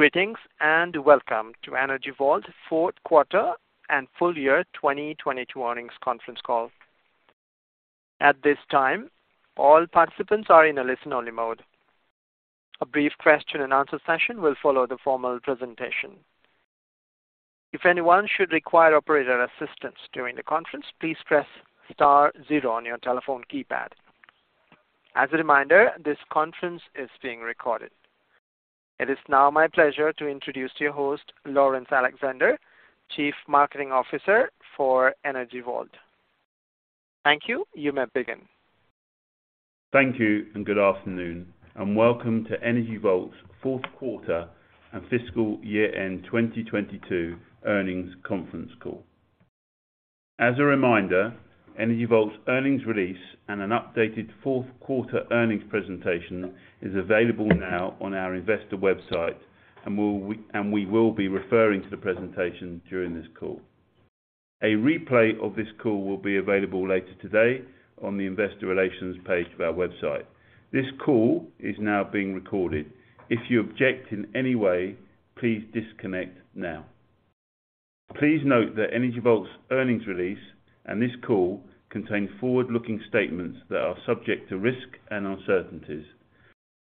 Greetings, welcome to Energy Vault fourth quarter and full year 2022 earnings conference call. At this time, all participants are in a listen-only mode. A brief question-and-answer session will follow the formal presentation. If anyone should require operator assistance during the conference, please press star zero on your telephone keypad. As a reminder, this conference is being recorded. It is now my pleasure to introduce your host, Laurence Alexander, Chief Marketing Officer for Energy Vault. Thank you. You may begin. Thank you, and good afternoon, and welcome to Energy Vault's fourth quarter and fiscal year-end 2022 earnings conference call. As a reminder, Energy Vault's earnings release and an updated fourth quarter earnings presentation is available now on our investor website, and we will be referring to the presentation during this call. A replay of this call will be available later today on the investor relations page of our website. This call is now being recorded. If you object in any way, please disconnect now. Please note that Energy Vault's earnings release and this call contain forward-looking statements that are subject to risk and uncertainties.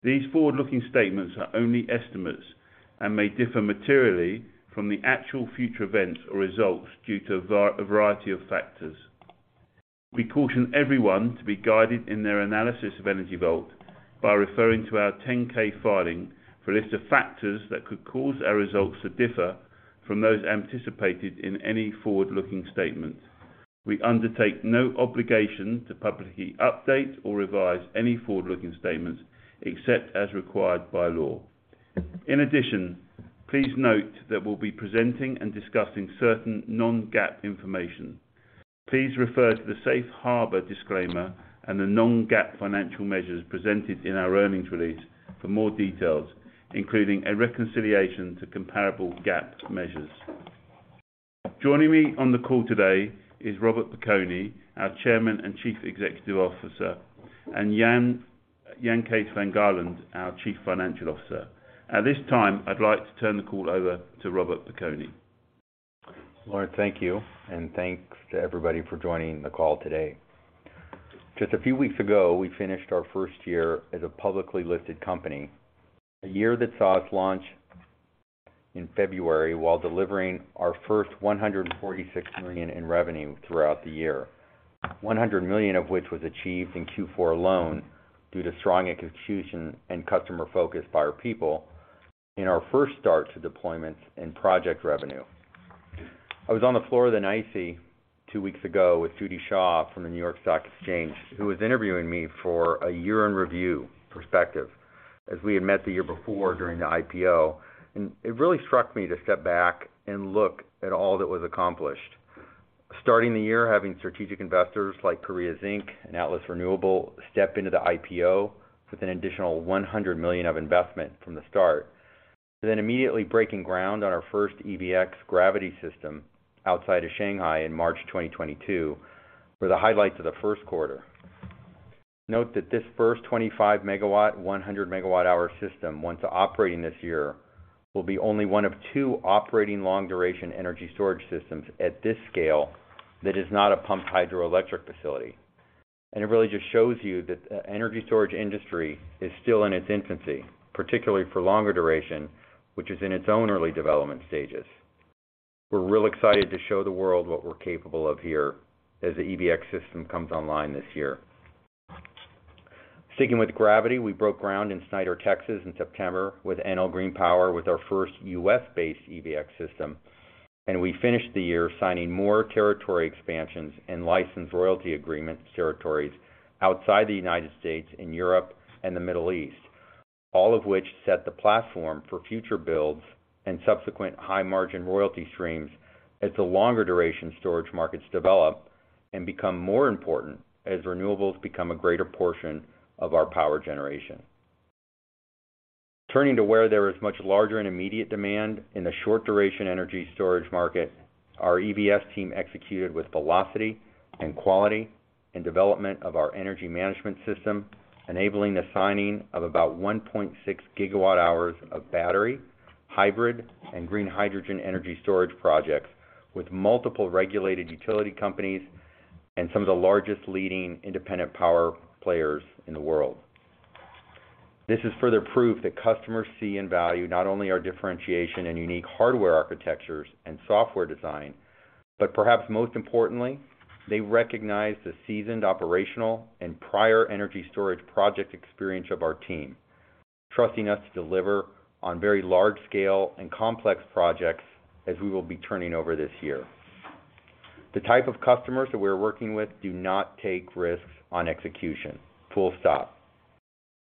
These forward-looking statements are only estimates and may differ materially from the actual future events or results due to a variety of factors. We caution everyone to be guided in their analysis of Energy Vault by referring to our 10-K filing for a list of factors that could cause our results to differ from those anticipated in any forward-looking statement. We undertake no obligation to publicly update or revise any forward-looking statements except as required by law. In addition, please note that we'll be presenting and discussing certain non-GAAP information. Please refer to the safe harbor disclaimer and the non-GAAP financial measures presented in our earnings release for more details, including a reconciliation to comparable GAAP measures. Joining me on the call today is Robert Piconi, our Chairman and Chief Executive Officer, and Jan Kees van Gaalen, our Chief Financial Officer. At this time, I'd like to turn the call over to Robert Piconi. Laurence, thank you, thanks to everybody for joining the call today. Just a few weeks ago, we finished our first year as a publicly listed company. A year that saw us launch in February while delivering our first $146 million in revenue throughout the year. $100 million of which was achieved in Q4 alone due to strong execution and customer focus by our people. In our first start to deployments and project revenue. I was on the floor of the NYSE two weeks ago with Judy Shaw from the New York Stock Exchange, who was interviewing me for a year-end review perspective, as we had met the year before during the IPO. It really struck me to step back and look at all that was accomplished. Starting the year having strategic investors like Korea Zinc. Atlas Renewable step into the IPO with an additional $100 million of investment from the start. Immediately breaking ground on our first EVx gravity system outside of Shanghai in March 2022 were the highlights of the first quarter. Note that this first 25 MW, 100 MWh system, once operating this year, will be only one of two operating long-duration energy storage systems at this scale that is not a pumped hydroelectric facility. It really just shows you that the energy storage industry is still in its infancy, particularly for longer duration, which is in its own early development stages. We're real excited to show the world what we're capable of here as the EVx system comes online this year. Sticking with gravity, we broke ground in Snyder, Texas, in September with Enel Green Power, with our first U.S.-based EVx system, and we finished the year signing more territory expansions and license royalty agreement territories outside the United States in Europe and the Middle East. All of which set the platform for future builds and subsequent high-margin royalty streams as the longer duration storage markets develop and become more important as renewables become a greater portion of our power generation. Turning to where there is much larger and immediate demand in the short-duration energy storage market, our EVS team executed with velocity and quality in development of our energy management system, enabling the signing of about 1.6 GWh of battery, hybrid, and green hydrogen energy storage projects with multiple regulated utility companies and some of the largest leading independent power players in the world. This is further proof that customers see and value not only our differentiation in unique hardware architectures and software design, but perhaps most importantly, they recognize the seasoned operational and prior energy storage project experience of our team, trusting us to deliver on very large scale and complex projects as we will be turning over this year. The type of customers that we're working with do not take risks on execution, full stop.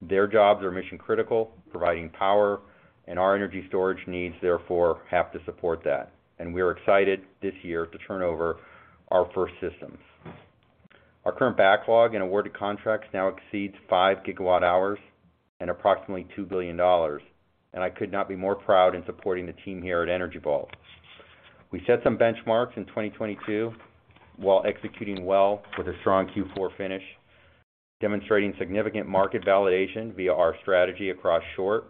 Their jobs are mission-critical, providing power. Our energy storage needs therefore have to support that, and we are excited this year to turn over our first systems. Our current backlog in awarded contracts now exceeds 5 GWh and approximately $2 billion. I could not be more proud in supporting the team here at Energy Vault. We set some benchmarks in 2022 while executing well with a strong Q4 finish. Demonstrating significant market validation via our strategy across short,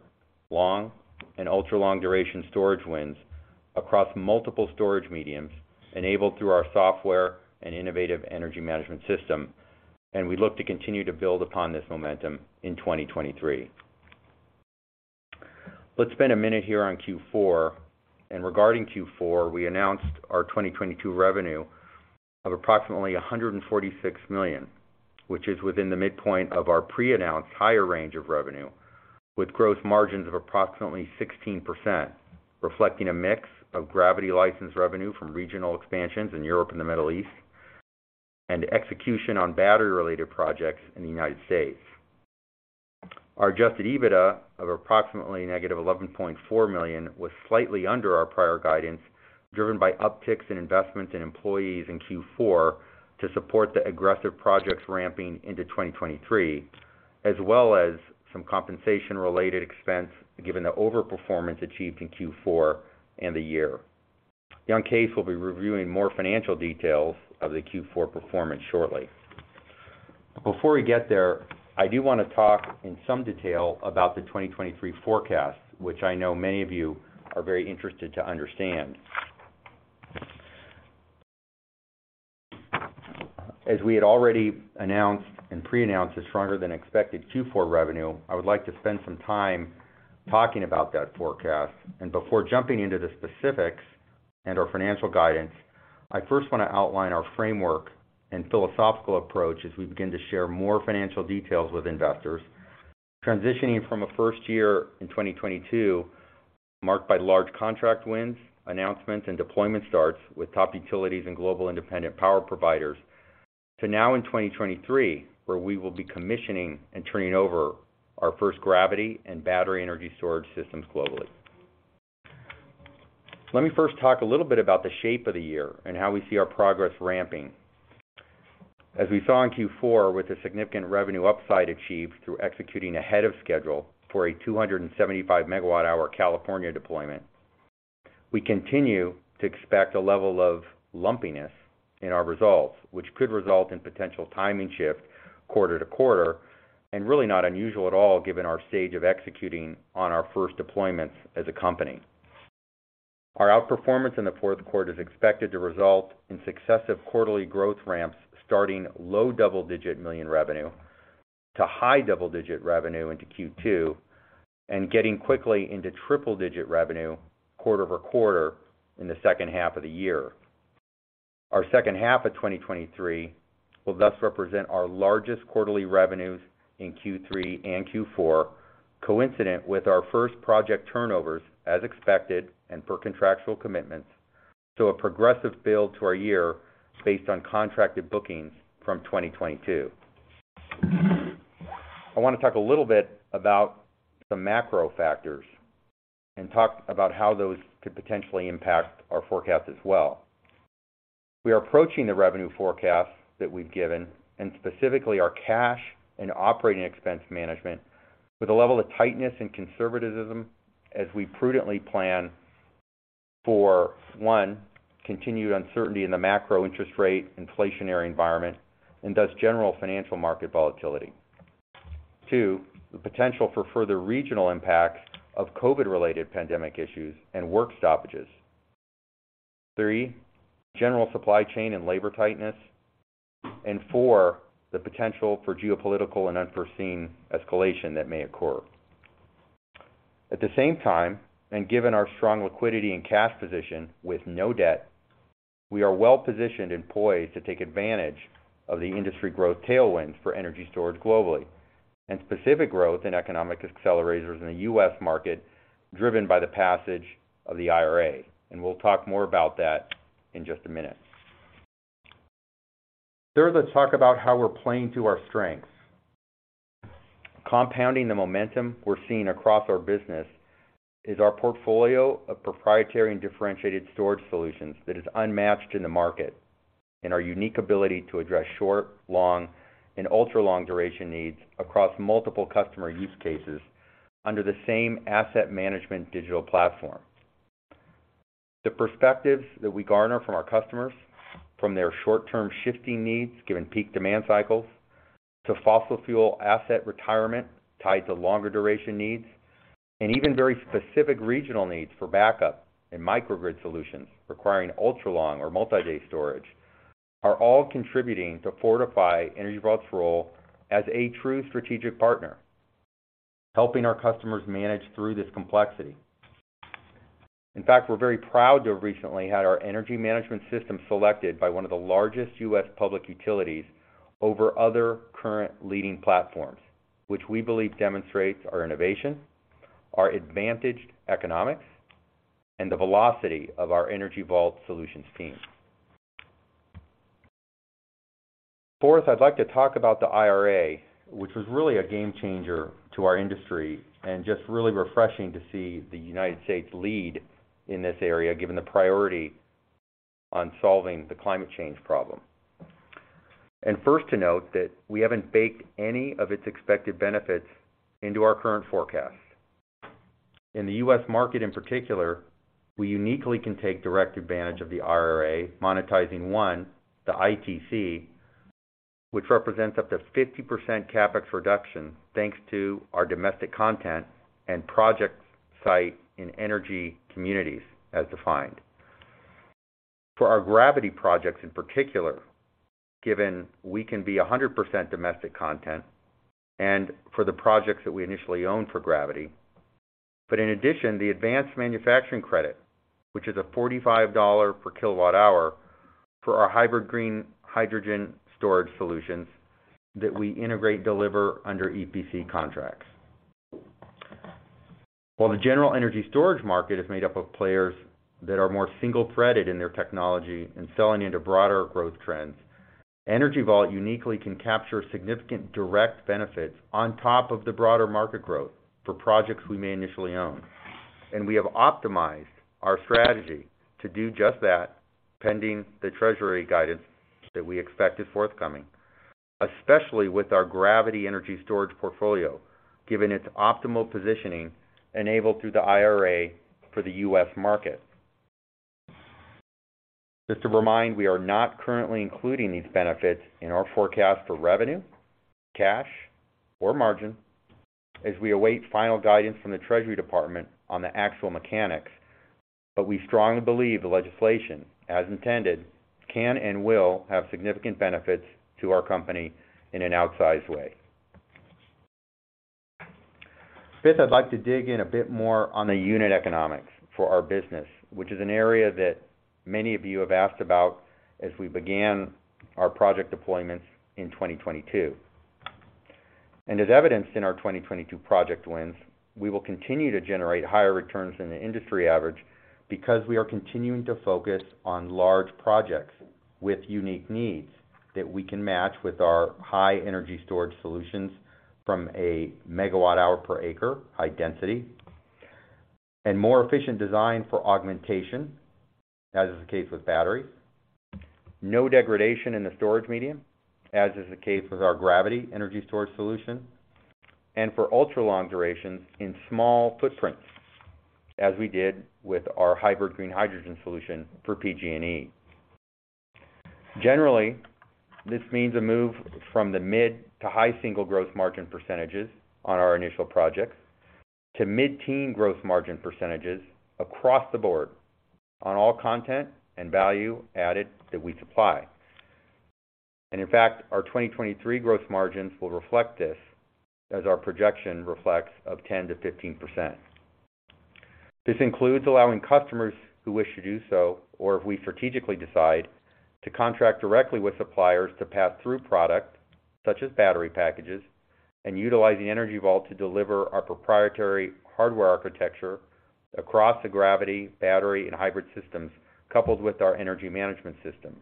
long, and ultra-long-duration storage wins across multiple storage mediums enabled through our software and innovative energy management system. We look to continue to build upon this momentum in 2023. Let's spend a minute here on Q4. Regarding Q4, we announced our 2022 revenue of approximately $146 million, which is within the midpoint of our pre-announced higher range of revenue, with gross margins of approximately 16%, reflecting a mix of Gravity licensed revenue from regional expansions in Europe and the Middle East, and execution on battery-related projects in the United States. Our adjusted EBITDA of approximately -$11.4 million was slightly under our prior guidance, driven by upticks in investments in employees in Q4 to support the aggressive projects ramping into 2023, as well as some compensation-related expense given the overperformance achieved in Q4 and the year. Jan Kees will be reviewing more financial details of the Q4 performance shortly. Before we get there, I do wanna talk in some detail about the 2023 forecast, which I know many of you are very interested to understand. As we had already announced and pre-announced a stronger-than-expected Q4 revenue, I would like to spend some time talking about that forecast. Before jumping into the specifics and our financial guidance, I first wanna outline our framework and philosophical approach as we begin to share more financial details with investors, transitioning from a first year in 2022 marked by large contract wins, announcements, and deployment starts with top utilities and global independent power providers to now in 2023, where we will be commissioning and turning over our first Gravity and battery energy storage systems globally. Let me first talk a little bit about the shape of the year and how we see our progress ramping. As we saw in Q4 with the significant revenue upside achieved through executing ahead of schedule for a 275 MWh California deployment, we continue to expect a level of lumpiness in our results, which could result in potential timing shift quarter-to-quarter, really not unusual at all given our stage of executing on our first deployments as a company. Our outperformance in the fourth quarter is expected to result in successive quarterly growth ramps starting low double-digit million revenue to high double-digit revenue into Q2, and getting quickly into triple-digit revenue quarter-over-quarter in the second half of the year. Our second half of 2023 will thus represent our largest quarterly revenues in Q3 and Q4, coincident with our first project turnovers as expected and per contractual commitments to a progressive build to our year based on contracted bookings from 2022. I wanna talk a little bit about some macro factors and talk about how those could potentially impact our forecast as well. We are approaching the revenue forecast that we've given, and specifically our cash and operating expense management, with a level of tightness and conservatism as we prudently plan for, one, continued uncertainty in the macro interest rate, inflationary environment, and thus general financial market volatility. Two, the potential for further regional impacts of COVID-related pandemic issues and work stoppages. Three, general supply chain and labor tightness. Four, the potential for geopolitical and unforeseen escalation that may occur. At the same time, and given our strong liquidity and cash position with no debt, we are well-positioned and poised to take advantage of the industry growth tailwinds for energy storage globally, and specific growth and economic accelerators in the U.S. market driven by the passage of the IRA. We'll talk more about that in just a minute. Third, let's talk about how we're playing to our strengths. Compounding the momentum we're seeing across our business is our portfolio of proprietary and differentiated storage solutions that is unmatched in the market, and our unique ability to address short, long, and ultra-long duration needs across multiple customer use cases under the same asset management digital platform. The perspectives that we garner from our customers, from their short-term shifting needs, given peak demand cycles, to fossil fuel asset retirement tied to longer duration needs, and even very specific regional needs for backup and microgrid solutions requiring ultra-long or multi-day storage, are all contributing to fortify Energy Vault's role as a true strategic partner, helping our customers manage through this complexity. In fact, we're very proud to have recently had our energy management system selected by one of the largest U.S. public utilities over other current leading platforms, which we believe demonstrates our innovation, our advantaged economics, and the velocity of our Energy Vault Solutions team. Fourth, I'd like to talk about the IRA, which was really a game changer to our industry, and just really refreshing to see the United States lead in this area, given the priority on solving the climate change problem. First to note that we haven't baked any of its expected benefits into our current forecast. In the U.S. market in particular, we uniquely can take direct advantage of the IRA, monetizing one, the ITC, which represents up to 50% CapEx reduction thanks to our domestic content and project site in energy communities as defined. For our gravity projects in particular, given we can be 100% domestic content and for the projects that we initially own for gravity. In addition, the advanced manufacturing credit, which is a $45 per kWh for our hybrid green hydrogen storage solutions that we integrate deliver under EPC contracts. While the general energy storage market is made up of players that are more single-threaded in their technology and selling into broader growth trends, Energy Vault uniquely can capture significant direct benefits on top of the broader market growth for projects we may initially own. We have optimized our strategy to do just that, pending the treasury guidance that we expect is forthcoming, especially with our gravity energy storage portfolio, given its optimal positioning enabled through the IRA for the U.S. market. Just to remind, we are not currently including these benefits in our forecast for revenue, cash, or margin as we await final guidance from the Treasury Department on the actual mechanics. We strongly believe the legislation, as intended, can and will have significant benefits to our company in an outsized way. Fifth, I'd like to dig in a bit more on the unit economics for our business, which is an area that many of you have asked about as we began our project deployments in 2022. As evidenced in our 2022 project wins, we will continue to generate higher returns than the industry average because we are continuing to focus on large projects with unique needs that we can match with our high energy storage solutions from a megawatt hour per acre high density and more efficient design for augmentation, as is the case with batteries. No degradation in the storage medium, as is the case with our gravity energy storage solution, and for ultra-long durations in small footprints, as we did with our hybrid green hydrogen solution for PG&E. Generally, this means a move from the mid to high single growth margin % on our initial projects to mid-teen growth margin % across the board on all content and value added that we supply. In fact, our 2023 growth margins will reflect this as our projection reflects of 10%-15%. This includes allowing customers who wish to do so, or if we strategically decide to contract directly with suppliers to pass through product such as battery packages, and utilize the Energy Vault to deliver our proprietary hardware architecture across the gravity, battery, and hybrid systems, coupled with our energy management system.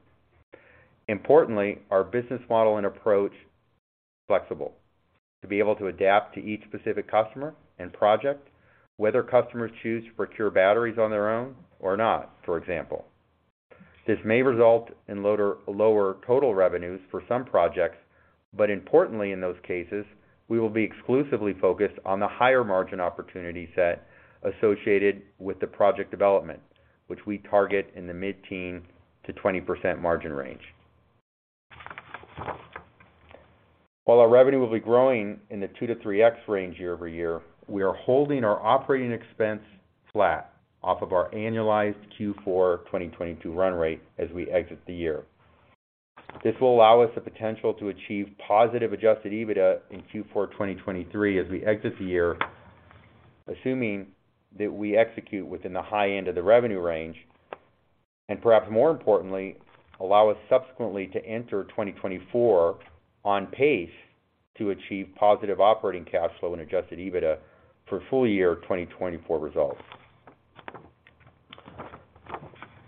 Importantly, our business model and approach flexible to be able to adapt to each specific customer and project, whether customers choose to procure batteries on their own or not, for example. This may result in lower total revenues for some projects, but importantly, in those cases, we will be exclusively focused on the higher margin opportunity set associated with the project development, which we target in the mid-teen to 20% margin range. While our revenue will be growing in the 2x-3x range year-over-year, we are holding our OpEx flat off of our annualized Q4 2022 run rate as we exit the year. This will allow us the potential to achieve positive adjusted EBITDA in Q4 2023 as we exit the year, assuming that we execute within the high end of the revenue range, and perhaps more importantly, allow us subsequently to enter 2024 on pace to achieve positive operating cash flow and adjusted EBITDA for full year 2024 results.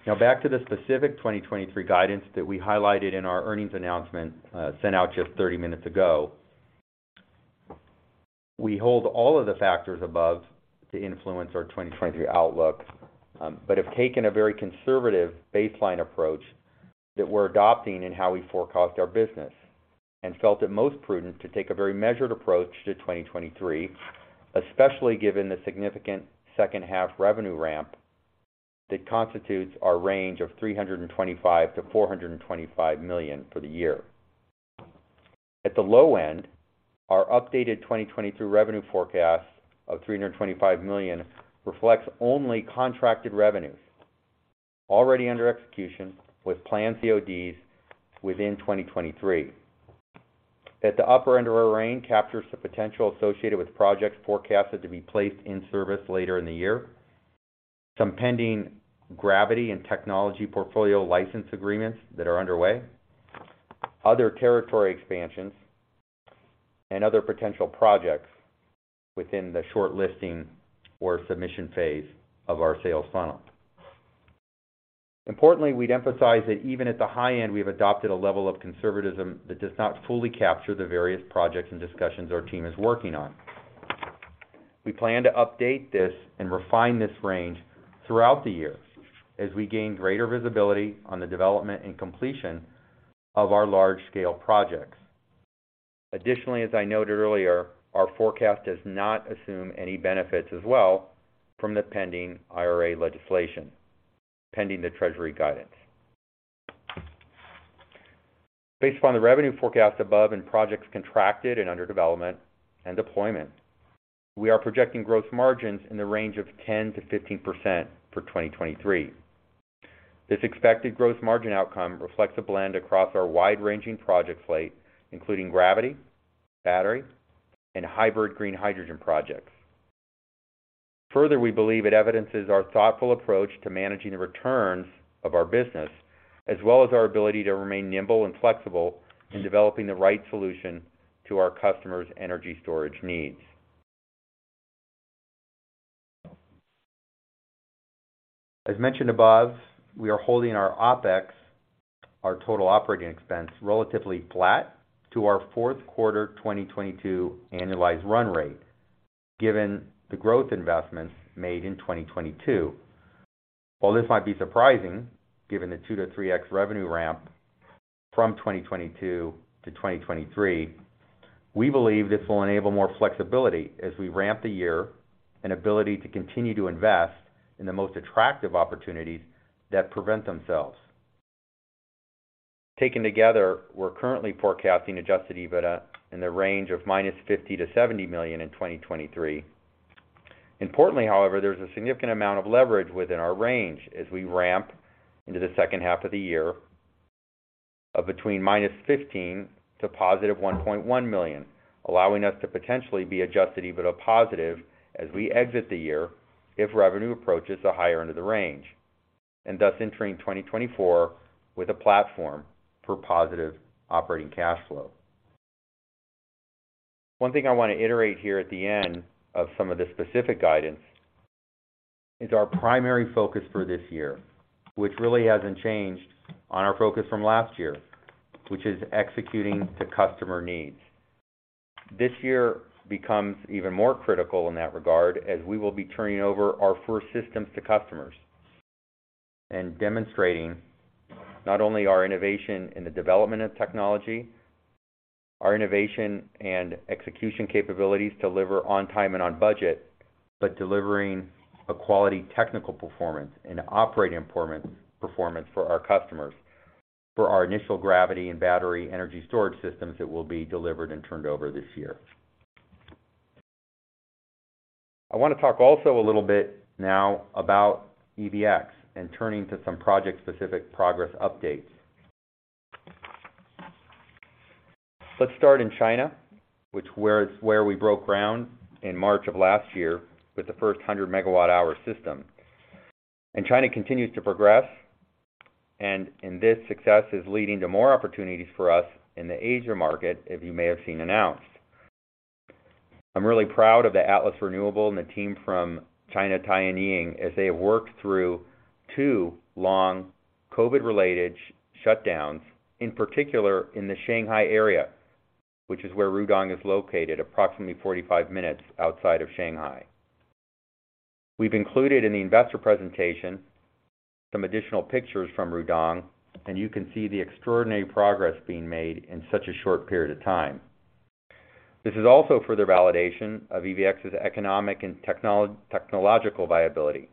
Back to the specific 2023 guidance that we highlighted in our earnings announcement, sent out just 30 minutes ago. We hold all of the factors above to influence our 2023 outlook, but have taken a very conservative baseline approach that we're adopting in how we forecast our business and felt it most prudent to take a very measured approach to 2023, especially given the significant second half revenue ramp that constitutes our range of $325 million-$425 million for the year. At the low end, our updated 2023 revenue forecast of $325 million reflects only contracted revenues already under execution with planned CODs within 2023. At the upper end of our range captures the potential associated with projects forecasted to be placed in service later in the year. Some pending gravity and technology portfolio license agreements that are underway, other territory expansions, and other potential projects within the short listing or submission phase of our sales funnel. Importantly, we'd emphasize that even at the high end, we've adopted a level of conservatism that does not fully capture the various projects and discussions our team is working on. We plan to update this and refine this range throughout the year as we gain greater visibility on the development and completion of our large-scale projects. Additionally, as I noted earlier, our forecast does not assume any benefits as well from the pending IRA legislation, pending the Treasury guidance. Based upon the revenue forecast above and projects contracted and under development and deployment, we are projecting growth margins in the range of 10%-15% for 2023. This expected growth margin outcome reflects a blend across our wide-ranging project slate, including gravity, battery, and hybrid green hydrogen projects. We believe it evidences our thoughtful approach to managing the returns of our business, as well as our ability to remain nimble and flexible in developing the right solution to our customers' energy storage needs. As mentioned above, we are holding our OpEx, our total operating expense, relatively flat to our fourth quarter 2022 annualized run rate, given the growth investments made in 2022. While this might be surprising, given the 2x-3x revenue ramp from 2022 to 2023, we believe this will enable more flexibility as we ramp the year and ability to continue to invest in the most attractive opportunities that present themselves. Taken together, we're currently forecasting adjusted EBITDA in the range of -$50 million to $70 million in 2023. However, there's a significant amount of leverage within our range as we ramp into the second half of the year of between -$15 million to +$1.1 million, allowing us to potentially be adjusted EBITDA positive as we exit the year if revenue approaches the higher end of the range, thus entering 2024 with a platform for positive operating cash flow. One thing I want to iterate here at the end of some of the specific guidance is our primary focus for this year, which really hasn't changed on our focus from last year, which is executing to customer needs. This year becomes even more critical in that regard as we will be turning over our first systems to customers and demonstrating not only our innovation in the development of technology, our innovation and execution capabilities deliver on time and on budget, but delivering a quality technical performance and operating performance for our customers for our initial gravity and battery energy storage systems that will be delivered and turned over this year. I want to talk also a little bit now about EVx and turning to some project-specific progress updates. Let's start in China, which is where we broke ground in March of last year with the first 100 MWh system. China continues to progress, and this success is leading to more opportunities for us in the Asia market, as you may have seen announced. I'm really proud of the Atlas Renewable and the team from China Tianying as they have worked through two long COVID-related shutdowns, in particular in the Shanghai area, which is where Rudong is located, approximately 45 minutes outside of Shanghai. We've included in the investor presentation some additional pictures from Rudong, and you can see the extraordinary progress being made in such a short period of time. This is also further validation of EVx's economic and technological viability.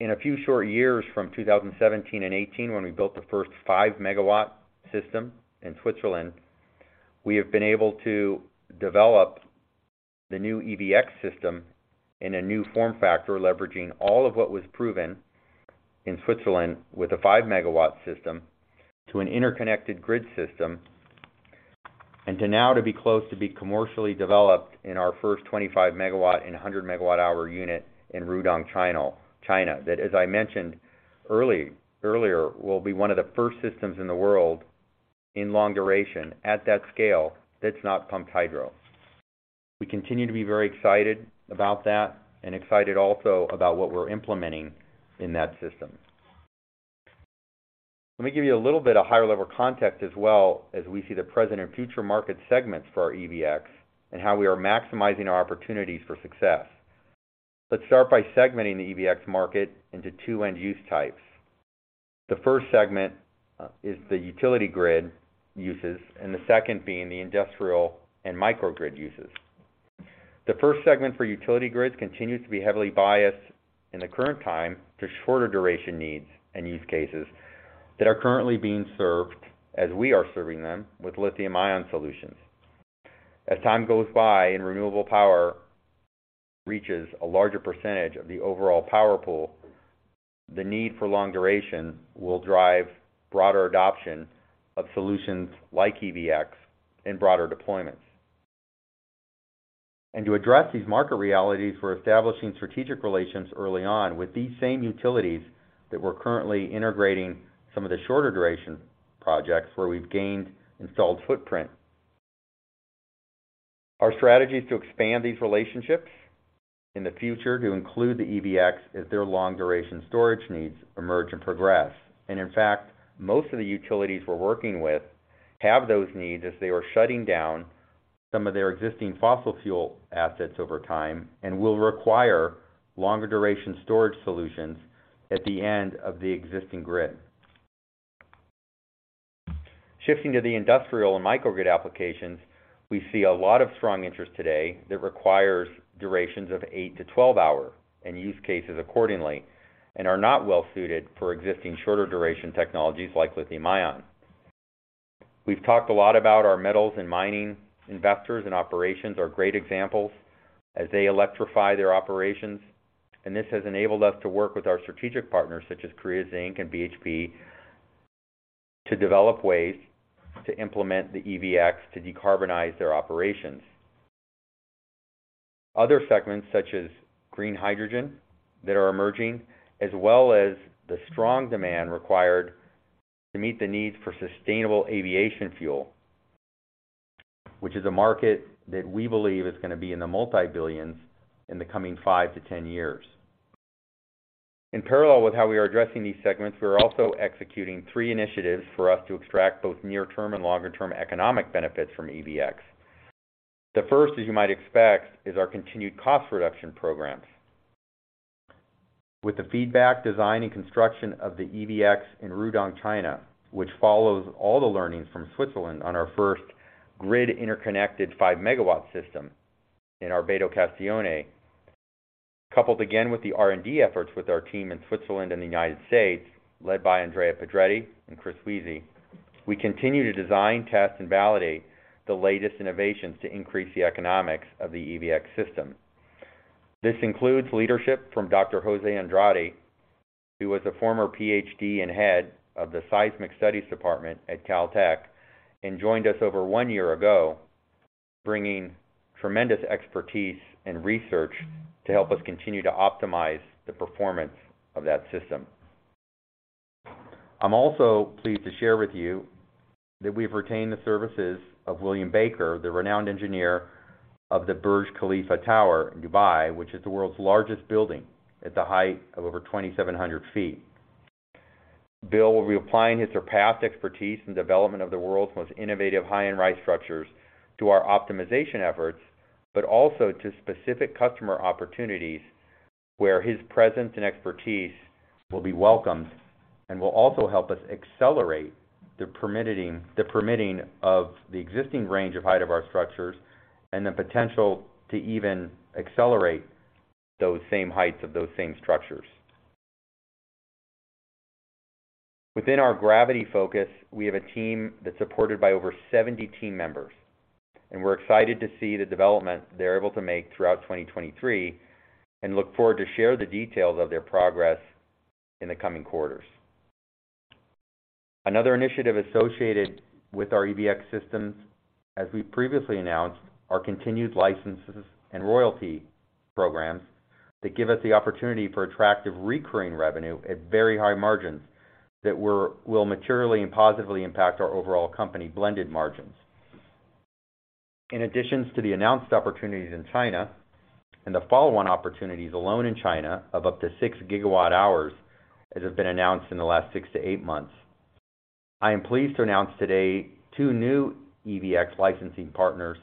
In a few short years from 2017 and 2018 when we built the first 5 MW system in Switzerland, we have been able to develop the new EVx system in a new form factor, leveraging all of what was proven in Switzerland with a 5 MW system to an interconnected grid system. To now to be close to be commercially developed in our first 25 MW and 100 MWh unit in Rudong, China, that, as I mentioned earlier, will be one of the first systems in the world in long duration at that scale that's not pumped hydro. We continue to be very excited about that and excited also about what we're implementing in that system. Let me give you a little bit of higher-level context as well as we see the present and future market segments for our EVx and how we are maximizing our opportunities for success. Let's start by segmenting the EVx market into two end-use types. The first segment is the utility grid uses, and the second being the industrial and microgrid uses. The first segment for utility grids continues to be heavily biased in the current time to shorter duration needs and use cases that are currently being served as we are serving them with lithium-ion solutions. As time goes by and renewable power reaches a larger % of the overall power pool, the need for long duration will drive broader adoption of solutions like EVx and broader deployments. To address these market realities, we're establishing strategic relations early on with these same utilities that we're currently integrating some of the shorter duration projects where we've gained installed footprint. Our strategy is to expand these relationships in the future to include the EVx as their long-duration storage needs emerge and progress. In fact, most of the utilities we're working with have those needs as they are shutting down some of their existing fossil fuel assets over time and will require longer duration storage solutions at the end of the existing grid. Shifting to the industrial and microgrid applications, we see a lot of strong interest today that requires durations of 8 to 12 hour and use cases accordingly, and are not well suited for existing shorter duration technologies like lithium-ion. We've talked a lot about our metals and mining investors and operations are great examples as they electrify their operations, and this has enabled us to work with our strategic partners such as Korea Zinc and BHP to develop ways to implement the EVx to decarbonize their operations. Other segments, such as green hydrogen, that are emerging, as well as the strong demand required to meet the needs for sustainable aviation fuel, which is a market that we believe is gonna be in the multi-billions in the coming 5 to 10 years. In parallel with how we are addressing these segments, we are also executing 3 initiatives for us to extract both near-term and longer-term economic benefits from EVx. The first, as you might expect, is our continued cost reduction programs. With the feedback, design, and construction of the EVx in Rudong, China, which follows all the learnings from Switzerland on our first grid-interconnected 5MW system in Arbedo-Castione, coupled again with the R&D efforts with our team in Switzerland and the United States, led by Andrea Pedretti and Chris Wiese, we continue to design, test, and validate the latest innovations to increase the economics of the EVx system. This includes leadership from Dr. José Andrade, who was a former PhD and head of the Seismic Studies Department at Caltech and joined us over 1 year ago, bringing tremendous expertise and research to help us continue to optimize the performance of that system. I'm also pleased to share with you that we've retained the services of William Baker, the renowned engineer of the Burj Khalifa Tower in Dubai, which is the world's largest building at the height of over 2,700 feet. Bill will be applying his surpassed expertise in development of the world's most innovative high-rise structures to our optimization efforts. Also to specific customer opportunities where his presence and expertise will be welcomed and will also help us accelerate the permitting of the existing range of height of our structures and the potential to even accelerate those same heights of those structures. Within our Gravity focus, we have a team that's supported by over 70 team members. We're excited to see the development they're able to make throughout 2023 and look forward to share the details of their progress in the coming quarters. Another initiative associated with our EVx systems, as we previously announced, are continued licenses and royalty programs that give us the opportunity for attractive recurring revenue at very high margins that will materially and positively impact our overall company blended margins. In addition to the announced opportunities in China and the follow-on opportunities alone in China of up to 6 GWh, as has been announced in the last 6 to 8 months, I am pleased to announce today two new EVx licensing partners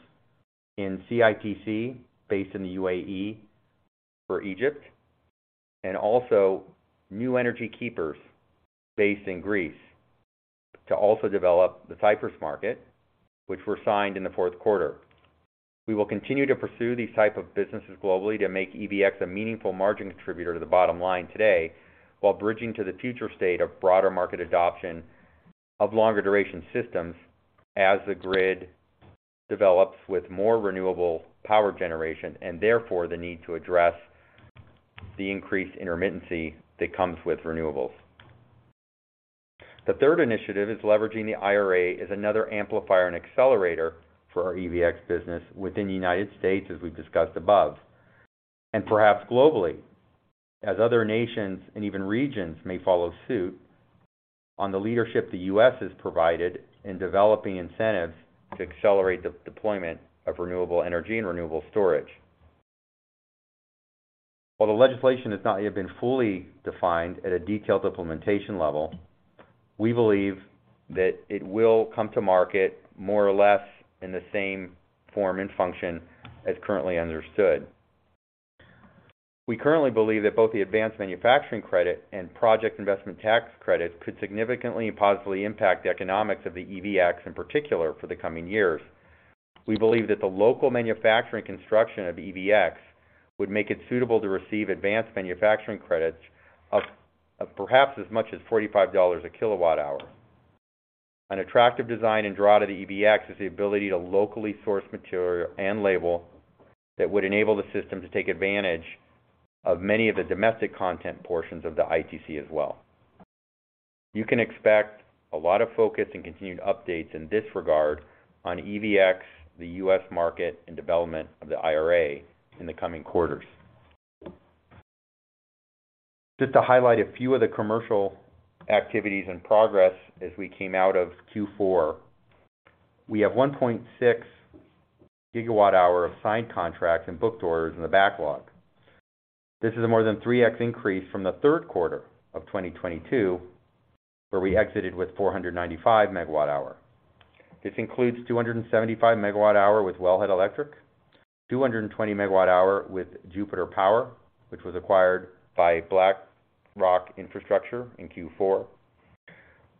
in CITC, based in the UAE for Egypt, and also New Energy Keepers based in Greece to also develop the Cyprus market, which were signed in the fourth quarter. We will continue to pursue these type of businesses globally to make EVx a meaningful margin contributor to the bottom line today while bridging to the future state of broader market adoption of longer-duration systems as the grid develops with more renewable power generation and therefore, the need to address the increased intermittency that comes with renewables. The third initiative is leveraging the IRA as another amplifier and accelerator for our EVx business within the United States, as we've discussed above, and perhaps globally as other nations and even regions may follow suit on the leadership the U.S. has provided in developing incentives to accelerate the deployment of renewable energy and renewable storage. While the legislation has not yet been fully defined at a detailed implementation level, we believe that it will come to market more or less in the same form and function as currently understood. We currently believe that both the advanced manufacturing credit and project investment tax credit could significantly and positively impact the economics of the EVx in particular for the coming years. We believe that the local manufacturing construction of EVx would make it suitable to receive advanced manufacturing credits of perhaps as much as $45 a kWh. An attractive design and draw to the EVx is the ability to locally source material and label that would enable the system to take advantage of many of the domestic content portions of the ITC as well. You can expect a lot of focus and continued updates in this regard on EVx, the U.S. market, and development of the IRA in the coming quarters. Just to highlight a few of the commercial activities in progress as we came out of Q4. We have 1.6 GWh of signed contracts and booked orders in the backlog. This is a more than 3x increase from the third quarter of 2022, where we exited with 495 MWh. This includes 275 MWh with Wellhead Electric, 220 MWh with Jupiter Power, which was acquired by BlackRock infrastructure in Q4,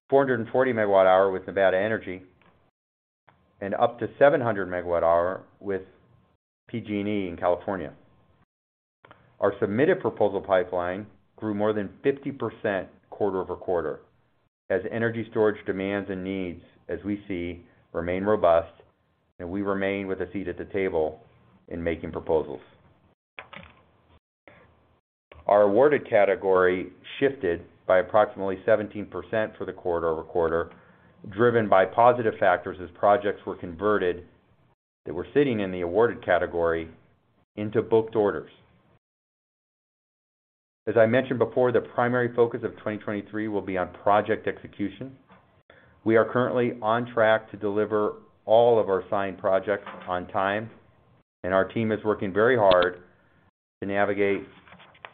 440 MWh with NV Energy, and up to 700 MWh with PG&E in California. Our submitted proposal pipeline grew more than 50% quarter-over-quarter. As energy storage demands and needs, as we see, remain robust, and we remain with a seat at the table in making proposals. Our awarded category shifted by approximately 17% for the quarter-over-quarter, driven by positive factors as projects were converted that were sitting in the awarded category into booked orders. As I mentioned before, the primary focus of 2023 will be on project execution. We are currently on track to deliver all of our signed projects on time, and our team is working very hard to navigate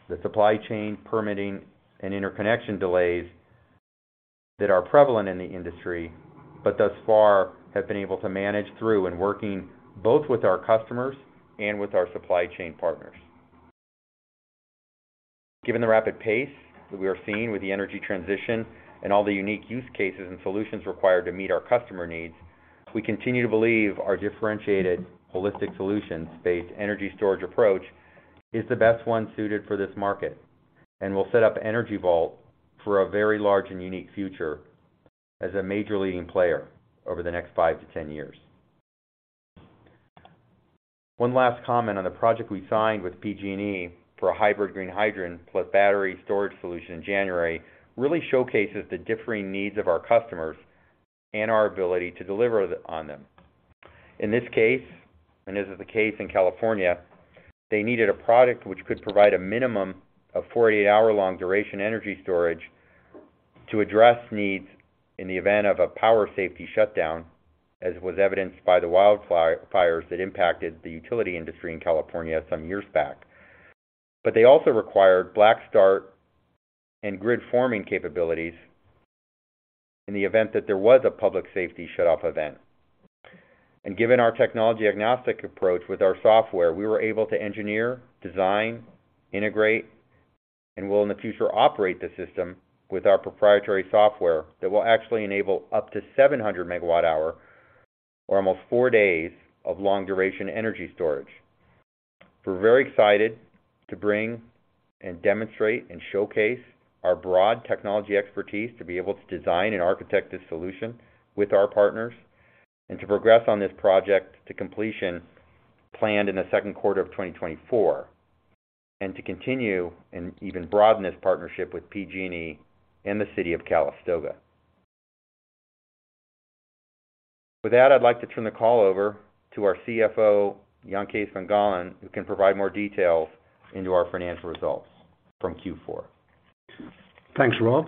the supply chain permitting and interconnection delays that are prevalent in the industry. Thus far, have been able to manage through in working both with our customers and with our supply chain partners. Given the rapid pace that we are seeing with the energy transition and all the unique use cases and solutions required to meet our customer needs, we continue to believe our differentiated holistic solutions-based energy storage approach is the best one suited for this market and will set up Energy Vault for a very large and unique future as a major leading player over the next 5-10 years. One last comment on the project we signed with PG&E for a hybrid green hydrogen plus battery storage solution in January, really showcases the differing needs of our customers and our ability to deliver on them. In this case, this is the case in California, they needed a product which could provide a minimum of 48-hour long duration energy storage to address needs in the event of a power safety shutdown, as was evidenced by the wildfires that impacted the utility industry in California some years back. They also required black start and grid-forming capabilities in the event that there was a public safety shutoff event. Given our technology agnostic approach with our software, we were able to engineer, design, integrate, and will in the future operate the system with our proprietary software that will actually enable up to 700 MWh or almost 4 days of long-duration energy storage. We're very excited to bring and demonstrate and showcase our broad technology expertise to be able to design and architect this solution with our partners, and to progress on this project to completion planned in the second quarter of 2024, and to continue and even broaden this partnership with PG&E in the city of Calistoga. With that, I'd like to turn the call over to our CFO, Jan Kees van Gaalen, who can provide more details into our financial results from Q4. Thanks, Rob.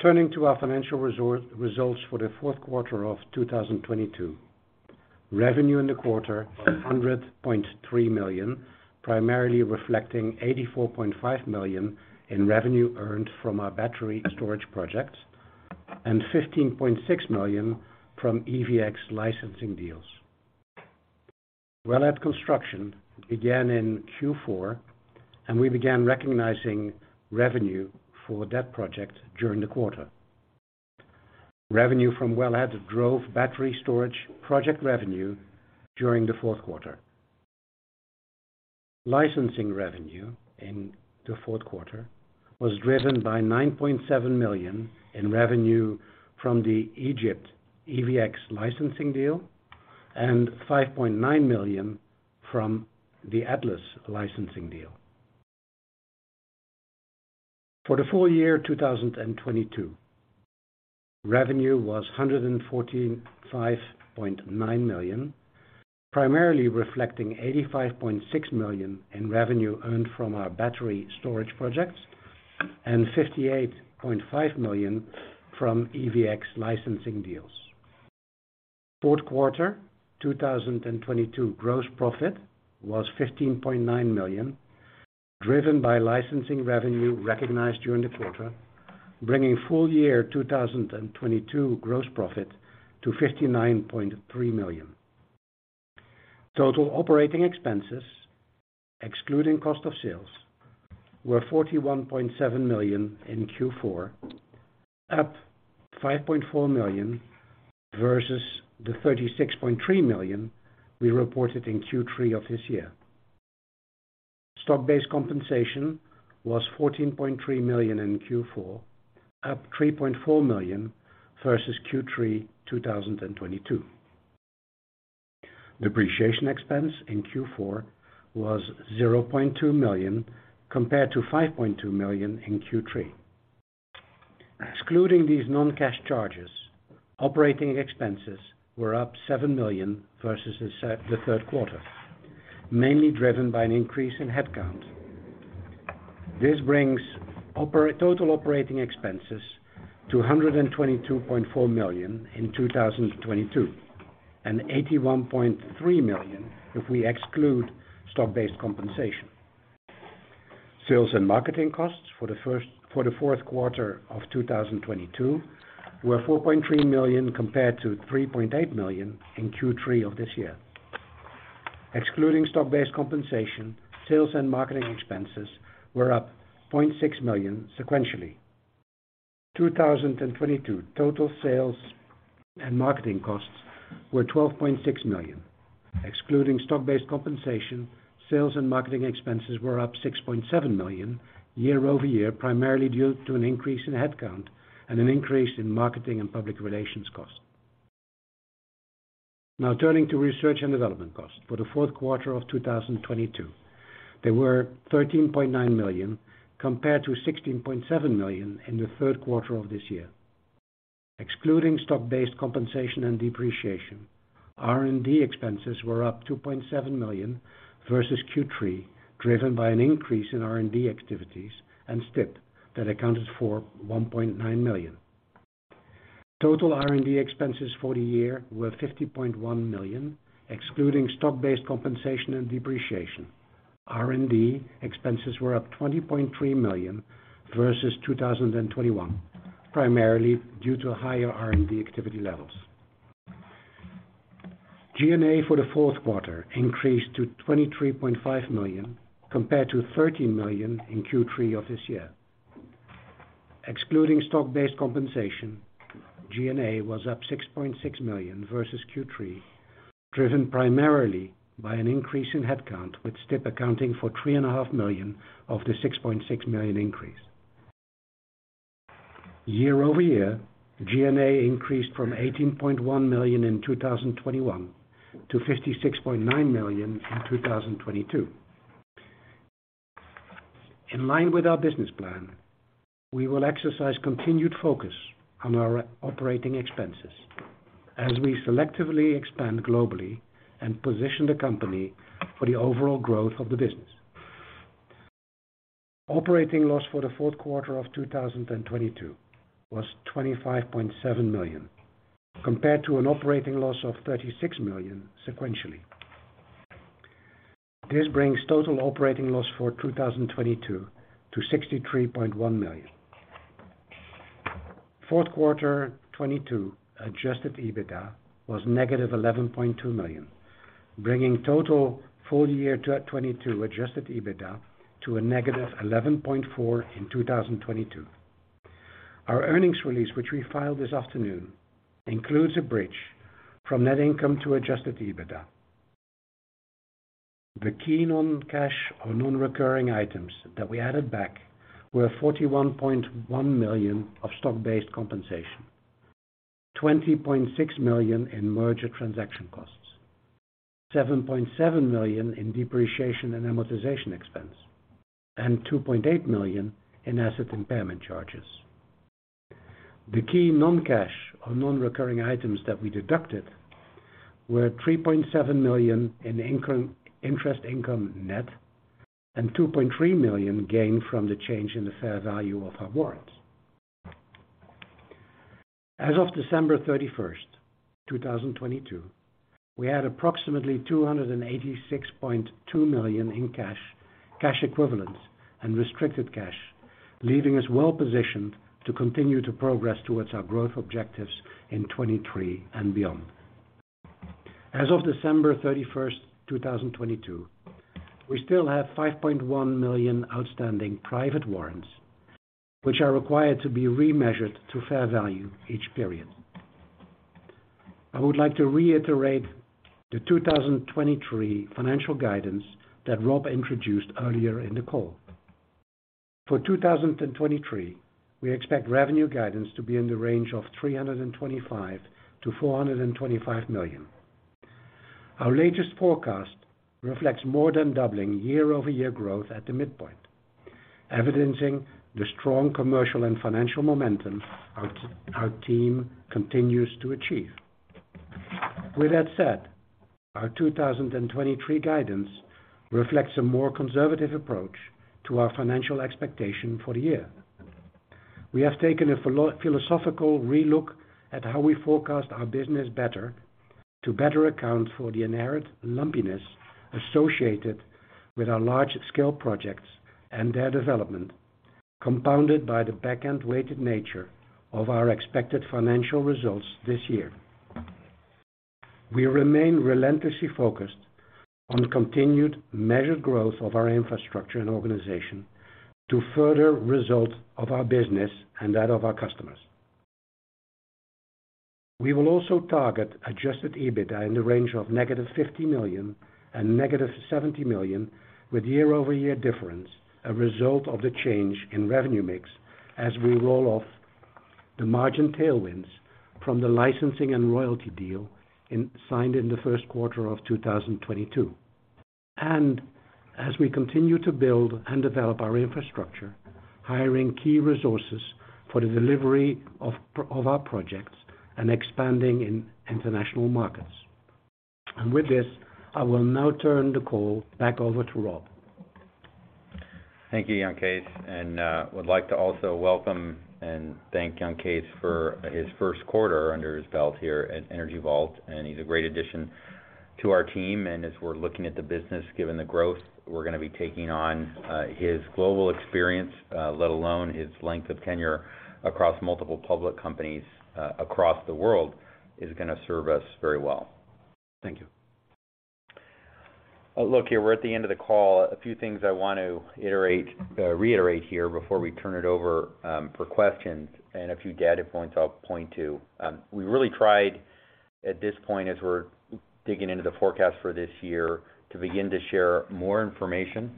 Turning to our financial results for the fourth quarter of 2022. Revenue in the quarter, $100.3 million, primarily reflecting $84.5 million in revenue earned from our battery storage projects and $15.6 million from EVx licensing deals. Wellhead construction began in Q4, and we began recognizing revenue for that project during the quarter. Revenue from Wellhead drove battery storage project revenue during the fourth quarter. Licensing revenue in the fourth quarter was driven by $9.7 million in revenue from the Egypt EVx licensing deal and $5.9 million from the Atlas licensing deal. For the full year 2022, revenue was $145.9 million, primarily reflecting $85.6 million in revenue earned from our battery storage projects and $58.5 million from EVx licensing deals. Fourth quarter 2022 gross profit was $15.9 million, driven by licensing revenue recognized during the quarter, bringing full year 2022 gross profit to $59.3 million. Total operating expenses, excluding cost of sales, were $41.7 million in Q4, up $5.4 million versus the $36.3 million we reported in Q3 of this year. Stock-based compensation was $14.3 million in Q4, up $3.4 million versus Q3 2022. Depreciation expense in Q4 was $0.2 million compared to $5.2 million in Q3. Excluding these non-cash charges, operating expenses were up $7 million versus the third quarter, mainly driven by an increase in headcount. This brings total operating expenses to $122.4 million in 2022, and $81.3 million if we exclude stock-based compensation. Sales and marketing costs for the fourth quarter of 2022 were $4.3 million compared to $3.8 million in Q3 of this year. Excluding stock-based compensation, sales and marketing expenses were up $0.6 million sequentially. 2022, total sales and marketing costs were $12.6 million, excluding stock-based compensation. Sales and marketing expenses were up $6.7 million year-over-year, primarily due to an increase in headcount and an increase in marketing and public relations costs. Turning to research and development costs. For the fourth quarter of 2022, they were $13.9 million, compared to $16.7 million in the third quarter of this year. Excluding stock-based compensation and depreciation, R&D expenses were up $2.7 million versus Q3, driven by an increase in R&D activities and STIP that accounted for $1.9 million. Total R&D expenses for the year were $50.1 million, excluding stock-based compensation and depreciation. R&D expenses were up $20.3 million versus 2021, primarily due to higher R&D activity levels. G&A for the fourth quarter increased to $23.5 million, compared to $13 million in Q3 of this year. Excluding stock-based compensation, G&A was up $6.6 million versus Q3, driven primarily by an increase in headcount, with STIP accounting for three and a half million of the $6.6 million increase. Year-over-year, G&A increased from $18.1 million in 2021 to $56.9 million in 2022. In line with our business plan, we will exercise continued focus on our operating expenses as we selectively expand globally and position the company for the overall growth of the business. Operating loss for the fourth quarter of 2022 was $25.7 million, compared to an operating loss of $36 million sequentially. This brings total operating loss for 2022 to $63.1 million. Fourth quarter 2022 adjusted EBITDA was negative $11.2 million, bringing total full year 2022 adjusted EBITDA to a negative $11.4 in 2022. Our earnings release, which we filed this afternoon, includes a bridge from net income to adjusted EBITDA. The key non-cash or non-recurring items that we added back were $41.1 million of stock-based compensation, $20.6 million in merger transaction costs, $7.7 million in depreciation and amortization expense, and $2.8 million in asset impairment charges. The key non-cash or non-recurring items that we deducted were $3.7 million in interest income net, and $2.3 million gained from the change in the fair value of our warrants. As of December 31st, 2022, we had approximately $286.2 million in cash equivalents, and restricted cash, leaving us well-positioned to continue to progress towards our growth objectives in 2023 and beyond. As of December 31st, 2022, we still have $5.1 million outstanding private warrants, which are required to be remeasured to fair value each period. I would like to reiterate the 2023 financial guidance that Rob introduced earlier in the call. For 2023, we expect revenue guidance to be in the range of $325 million-$425 million. Our latest forecast reflects more than doubling year-over-year growth at the midpoint, evidencing the strong commercial and financial momentum our team continues to achieve. With that said, our 2023 guidance reflects a more conservative approach to our financial expectation for the year. We have taken a philosophical relook at how we forecast our business better to better account for the inherent lumpiness associated with our large-scale projects and their development, compounded by the back-end-weighted nature of our expected financial results this year. We remain relentlessly focused on continued measured growth of our infrastructure and organization to further results of our business and that of our customers. We will also target adjusted EBITDA in the range of -$50 million to -$70 million with year-over-year difference, a result of the change in revenue mix as we roll off the margin tailwinds from the licensing and royalty deal signed in the first quarter of 2022. As we continue to build and develop our infrastructure, hiring key resources for the delivery of our projects and expanding in international markets. With this, I will now turn the call back over to Rob. Thank you, Jan Kees. Would like to also welcome and thank Jan Kees for his first quarter under his belt here at Energy Vault, and he's a great addition to our team. As we're looking at the business, given the growth, we're gonna be taking on his global experience, let alone his length of tenure across multiple public companies, across the world, is gonna serve us very well. Thank you. Look, here, we're at the end of the call. A few things I want to reiterate here before we turn it over for questions and a few data points I'll point to. We really tried at this point, as we're digging into the forecast for this year, to begin to share more information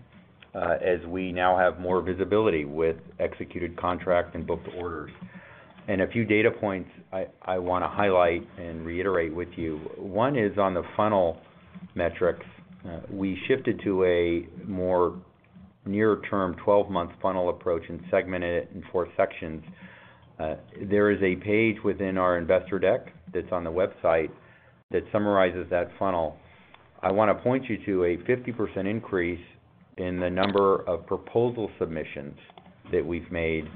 as we now have more visibility with executed contracts and booked orders. A few data points I wanna highlight and reiterate with you. One is on the funnel metrics. We shifted to a more near-term 12-month funnel approach and segmented it in four sections. There is a page within our investor deck that's on the website that summarizes that funnel. I wanna point you to a 50% increase in the number of proposal submissions that we've made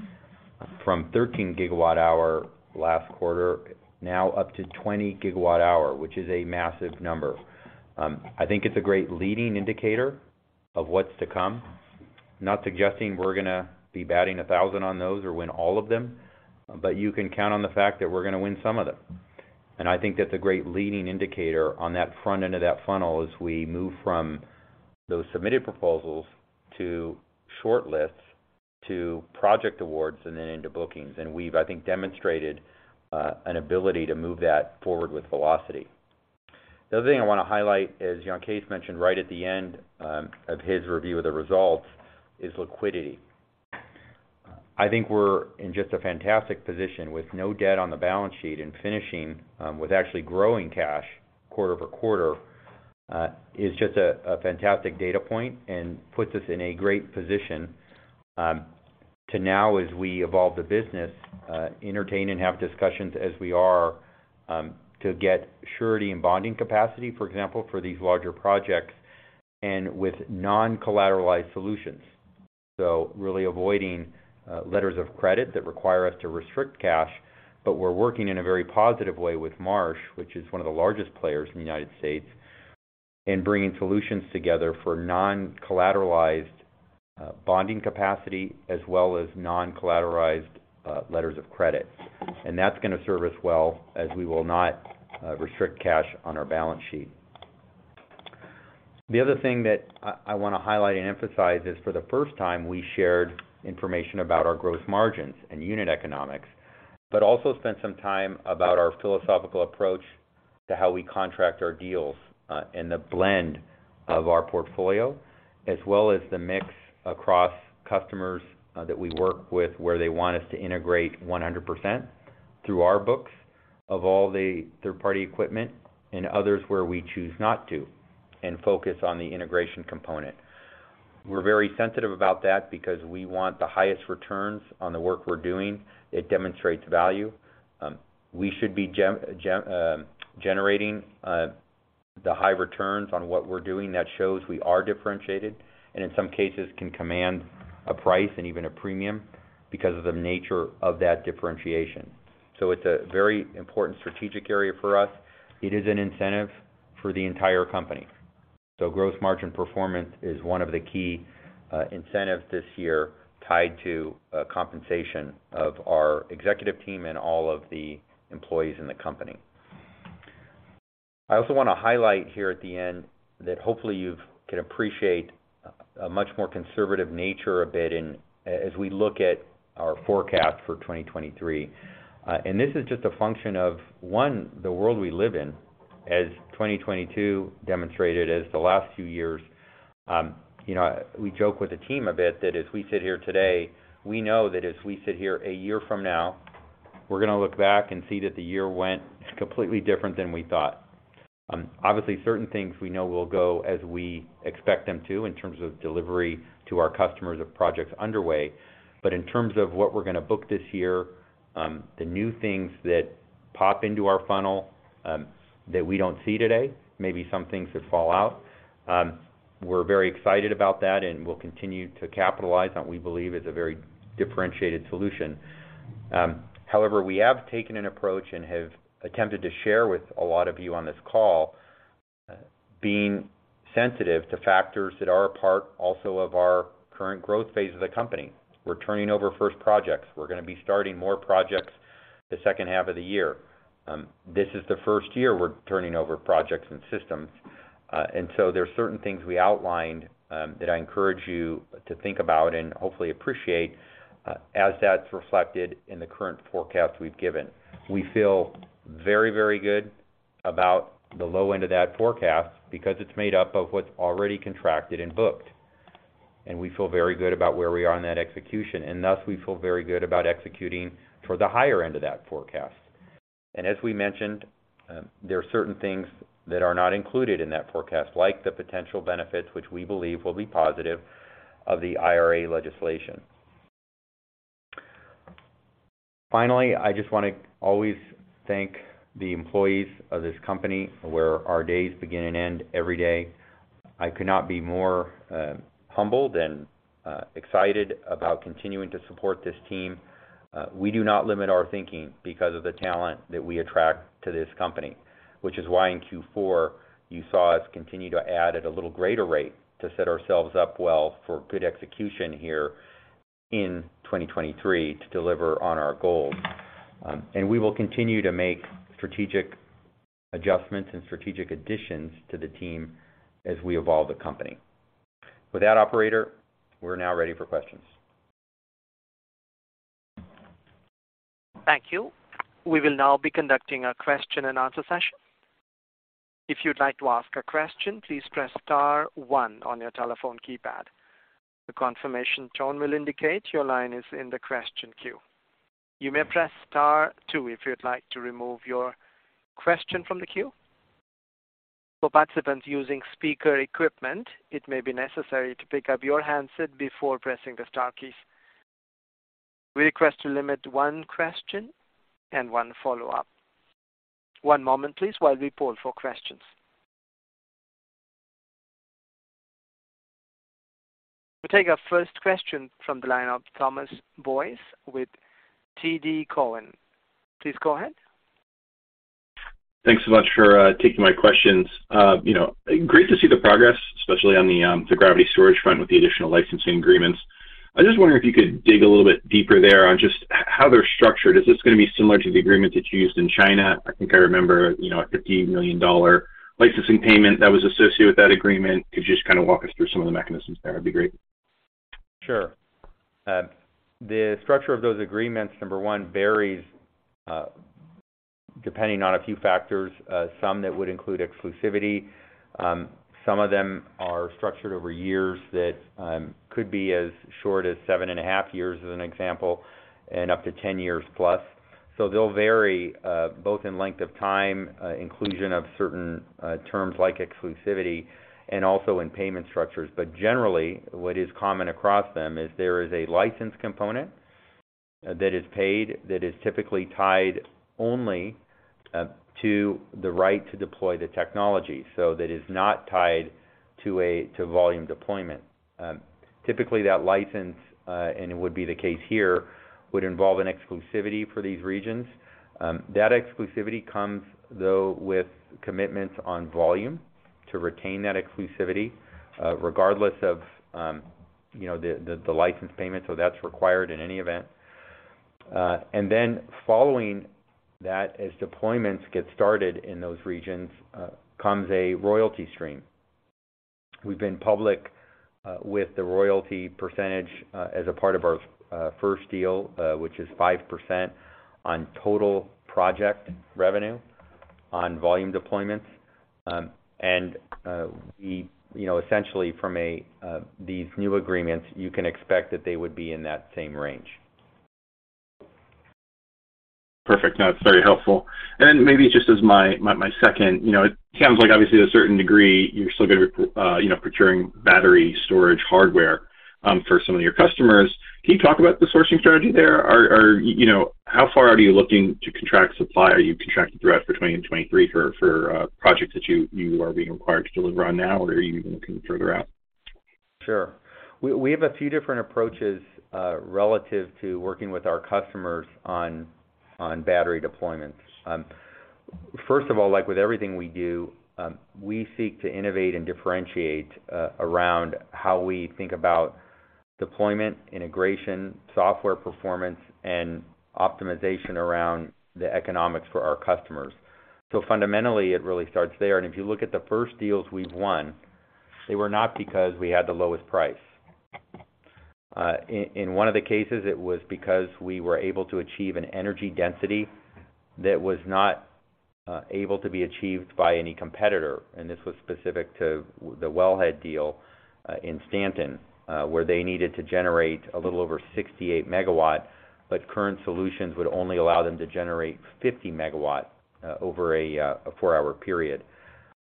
from 13 GWh last quarter, now up to 20 GWh, which is a massive number. I think it's a great leading indicator of what's to come. Not suggesting we're gonna be batting 1,000 on those or win all of them, but you can count on the fact that we're gonna win some of them. I think that's a great leading indicator on that front end of that funnel as we move from those submitted proposals to shortlists, to project awards, and then into bookings. And we've, I think, demonstrated an ability to move that forward with velocity. The other thing I wanna highlight, as Jan Kees mentioned right at the end of his review of the results, is liquidity. I think we're in just a fantastic position with no debt on the balance sheet and finishing, with actually growing cash quarter over quarter, is just a fantastic data point and puts us in a great position, to now, as we evolve the business, entertain and have discussions as we are, to get surety and bonding capacity, for example, for these larger projects and with non-collateralized solutions. Really avoiding letters of credit that require us to restrict cash, but we're working in a very positive way with Marsh, which is one of the largest players in the United States, in bringing solutions together for non-collateralized bonding capacity as well as non-collateralized letters of credit. That's gonna serve us well as we will not restrict cash on our balance sheet. The other thing that I wanna highlight and emphasize is for the first time, we shared information about our growth margins and unit economics, but also spent some time about our philosophical approach to how we contract our deals, and the blend of our portfolio, as well as the mix across customers that we work with where they want us to integrate 100% through our books of all the third-party equipment and others where we choose not to and focus on the integration component. We're very sensitive about that because we want the highest returns on the work we're doing. It demonstrates value. We should be generating the high returns on what we're doing. That shows we are differentiated and in some cases can command a price and even a premium because of the nature of that differentiation. It's a very important strategic area for us. It is an incentive for the entire company. Growth margin performance is one of the key incentives this year tied to compensation of our executive team and all of the employees in the company. I also want to highlight here at the end that hopefully you can appreciate a much more conservative nature a bit as we look at our forecast for 2023. This is just a function of, one, the world we live in as 2022 demonstrated, as the last few years. You know, we joke with the team a bit that as we sit here today, we know that as we sit here a year from now, we're going to look back and see that the year went completely different than we thought. Obviously, certain things we know will go as we expect them to in terms of delivery to our customers of projects underway. In terms of what we're gonna book this year, the new things that pop into our funnel, that we don't see today, maybe some things that fall out, we're very excited about that and we'll continue to capitalize on we believe is a very differentiated solution. However, we have taken an approach and have attempted to share with a lot of you on this call, being sensitive to factors that are a part also of our current growth phase of the company. We're turning over first projects. We're gonna be starting more projects the second half of the year. This is the first year we're turning over projects and systems. There are certain things we outlined that I encourage you to think about and hopefully appreciate as that's reflected in the current forecast we've given. We feel very, very good about the low end of that forecast because it's made up of what's already contracted and booked, and we feel very good about where we are in that execution. Thus, we feel very good about executing for the higher end of that forecast. As we mentioned, there are certain things that are not included in that forecast, like the potential benefits which we believe will be positive of the IRA legislation. Finally, I just wanna always thank the employees of this company where our days begin and end every day. I could not be more humbled and excited about continuing to support this team. We do not limit our thinking because of the talent that we attract to this company, which is why in Q4, you saw us continue to add at a little greater rate to set ourselves up well for good execution here in 2023 to deliver on our goals. We will continue to make strategic adjustments and strategic additions to the team as we evolve the company. With that operator, we're now ready for questions. Thank you. We will now be conducting a question and answer session. If you'd like to ask a question, please press star one on your telephone keypad. The confirmation tone will indicate your line is in the question queue. You may press star two if you'd like to remove your question from the queue. For participants using speaker equipment, it may be necessary to pick up your handset before pressing the star keys. We request to limit one question and one follow-up. One moment, please, while we poll for questions. We'll take our first question from the line of Thomas Boyes with TD Cowen. Please go ahead. Thanks so much for taking my questions. You know, great to see the progress, especially on the gravity storage front with the additional licensing agreements. I just wonder if you could dig a little bit deeper there on just how they're structured. Is this gonna be similar to the agreement that you used in China? I think I remember, you know, a $50 million licensing payment that was associated with that agreement. Could you just kinda walk us through some of the mechanisms there? That'd be great. Sure. The structure of those agreements, number 1, varies depending on a few factors, some that would include exclusivity. Some of them are structured over years that could be as short as 7 and a half years, as an example, and up to 10 years+. They'll vary both in length of time, inclusion of certain terms like exclusivity and also in payment structures. Generally, what is common across them is there is a license component that is paid that is typically tied only to the right to deploy the technology. That is not tied to volume deployment. Typically that license, and it would be the case here, would involve an exclusivity for these regions. That exclusivity comes though with commitments on volume to retain that exclusivity, regardless of, you know, the license payment, so that's required in any event. Following that, as deployments get started in those regions, comes a royalty stream. We've been public with the royalty percentage as a part of our first deal, which is 5% on total project revenue on volume deployments. You know, essentially from these new agreements, you can expect that they would be in that same range. Perfect. No, it's very helpful. Maybe just as my second, you know, it sounds like obviously to a certain degree you're still gonna procuring battery storage hardware for some of your customers. Can you talk about the sourcing strategy there? Are you know, how far are you looking to contract supply? Are you contracting throughout for 2020 and 2023 for projects that you are being required to deliver on now? Are you even looking further out? Sure. We have a few different approaches relative to working with our customers on battery deployments. First of all, like with everything we do, we seek to innovate and differentiate around how we think about deployment, integration, software performance, and optimization around the economics for our customers. Fundamentally, it really starts there. If you look at the first deals we've won, they were not because we had the lowest price. In one of the cases, it was because we were able to achieve an energy density that was not able to be achieved by any competitor. This was specific to the Wellhead deal in Stanton, where they needed to generate a little over 68 MW, but current solutions would only allow them to generate 50 MW over a 4-hour period.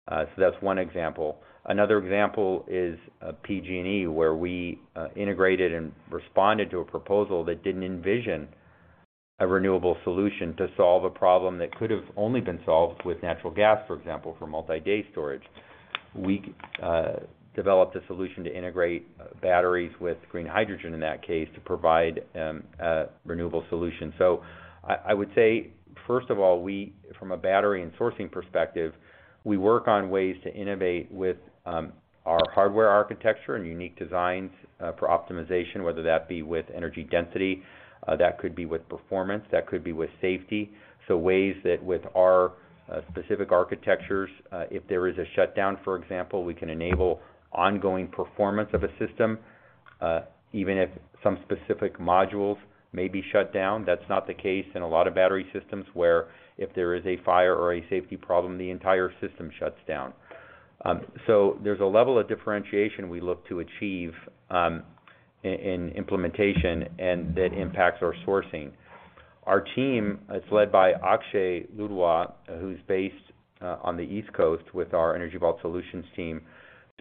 That's one example. Another example is PG&E, where we integrated and responded to a proposal that didn't envision a renewable solution to solve a problem that could have only been solved with natural gas, for example, for multi-day storage. We developed a solution to integrate batteries with green hydrogen in that case to provide a renewable solution. I would say, first of all, we from a battery and sourcing perspective, we work on ways to innovate with our hardware architecture and unique designs for optimization, whether that be with energy density, that could be with performance, that could be with safety. Ways that with our specific architectures, if there is a shutdown, for example, we can enable ongoing performance of a system, even if some specific modules may be shut down. That's not the case in a lot of battery systems where if there is a fire or a safety problem, the entire system shuts down. There's a level of differentiation we look to achieve in implementation and that impacts our sourcing. Our team is led by Akshay Ladwa, who's based on the East Coast with our Energy Vault Solutions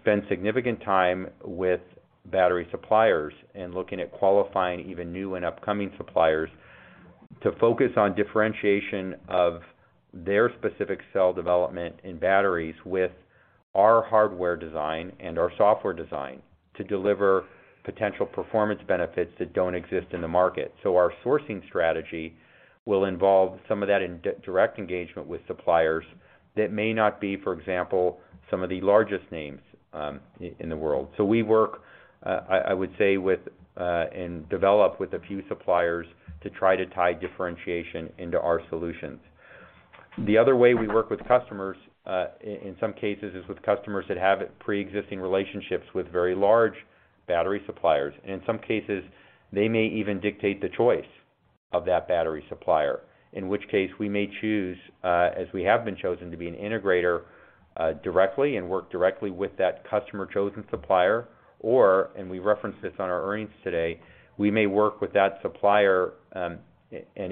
team, spends significant time with Battery suppliers and looking at qualifying even new and upcoming suppliers to focus on differentiation of their specific cell development in batteries with our hardware design and our software design to deliver potential performance benefits that don't exist in the market. Our sourcing strategy will involve some of that in direct engagement with suppliers that may not be, for example, some of the largest names in the world. We work, I would say, with and develop with a few suppliers to try to tie differentiation into our solutions. The other way we work with customers, in some cases, is with customers that have preexisting relationships with very large battery suppliers. In some cases, they may even dictate the choice of that battery supplier. In which case, we may choose, as we have been chosen, to be an integrator, directly and work directly with that customer-chosen supplier. We referenced this on our earnings today, we may work with that supplier, and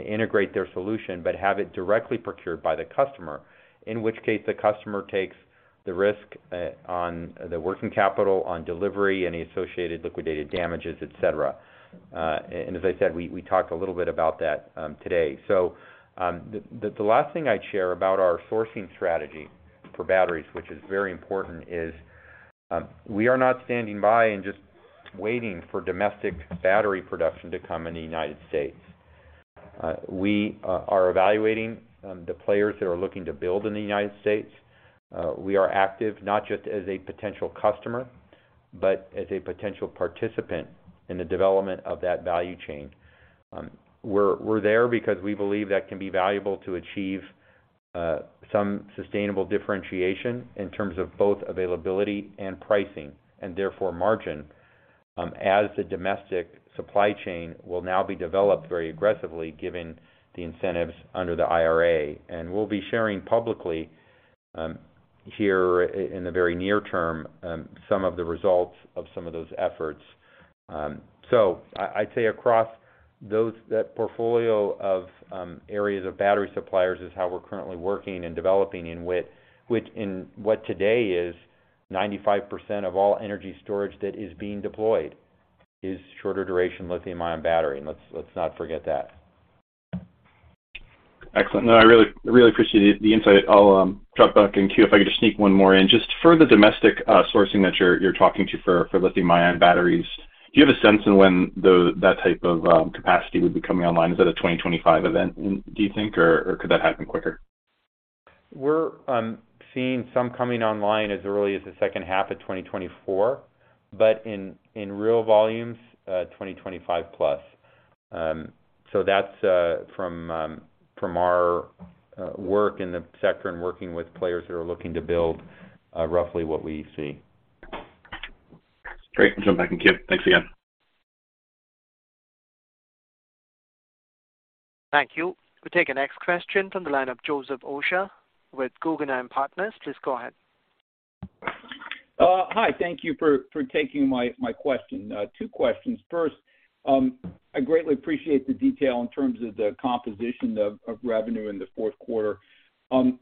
integrate their solution, but have it directly procured by the customer. In which case, the customer takes the risk, on the working capital, on delivery, any associated liquidated damages, et cetera. As I said, we talked a little bit about that today. The last thing I'd share about our sourcing strategy for batteries, which is very important, we are not standing by and just waiting for domestic battery production to come in the United States. We are evaluating the players that are looking to build in the United States. We are active, not just as a potential customer, but as a potential participant in the development of that value chain. We're there because we believe that can be valuable to achieve some sustainable differentiation in terms of both availability and pricing, and therefore margin, as the domestic supply chain will now be developed very aggressively given the incentives under the IRA. We'll be sharing publicly here in the very near term some of the results of some of those efforts. I'd say across that portfolio of areas of battery suppliers is how we're currently working and developing in which in what today is 95% of all energy storage that is being deployed is shorter duration lithium-ion battery. Let's not forget that. Excellent. No, I really appreciate the insight. I'll drop back in queue. If I could just sneak one more in. Just for the domestic sourcing that you're talking to for lithium-ion batteries, do you have a sense in when that type of capacity would be coming online? Is that a 2025 event, do you think, or could that happen quicker? We're seeing some coming online as early as the second half of 2024. In real volumes, 2025 plus. That's from from our work in the sector and working with players who are looking to build roughly what we see. Great. We'll jump back in queue. Thanks again. Thank you. We'll take the next question from the line of Joseph Osha with Guggenheim Partners. Please go ahead. Hi. Thank you for taking my question. Two questions. First, I greatly appreciate the detail in terms of the composition of revenue in the fourth quarter.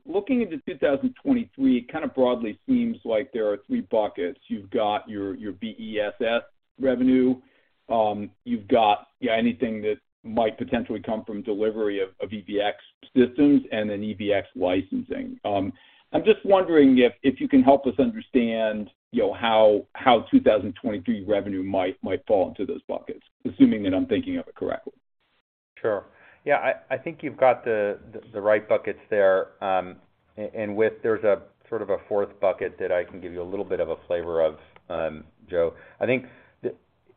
Looking into 2023, it kind of broadly seems like there are three buckets. You've got your BESS revenue. You've got anything that might potentially come from delivery of EVx systems and then EVx licensing. I'm just wondering if you can help us understand, you know, how 2023 revenue might fall into those buckets, assuming that I'm thinking of it correctly. Sure. Yeah, I think you've got the right buckets there. There's a sort of a fourth bucket that I can give you a little bit of a flavor of, Joe. I think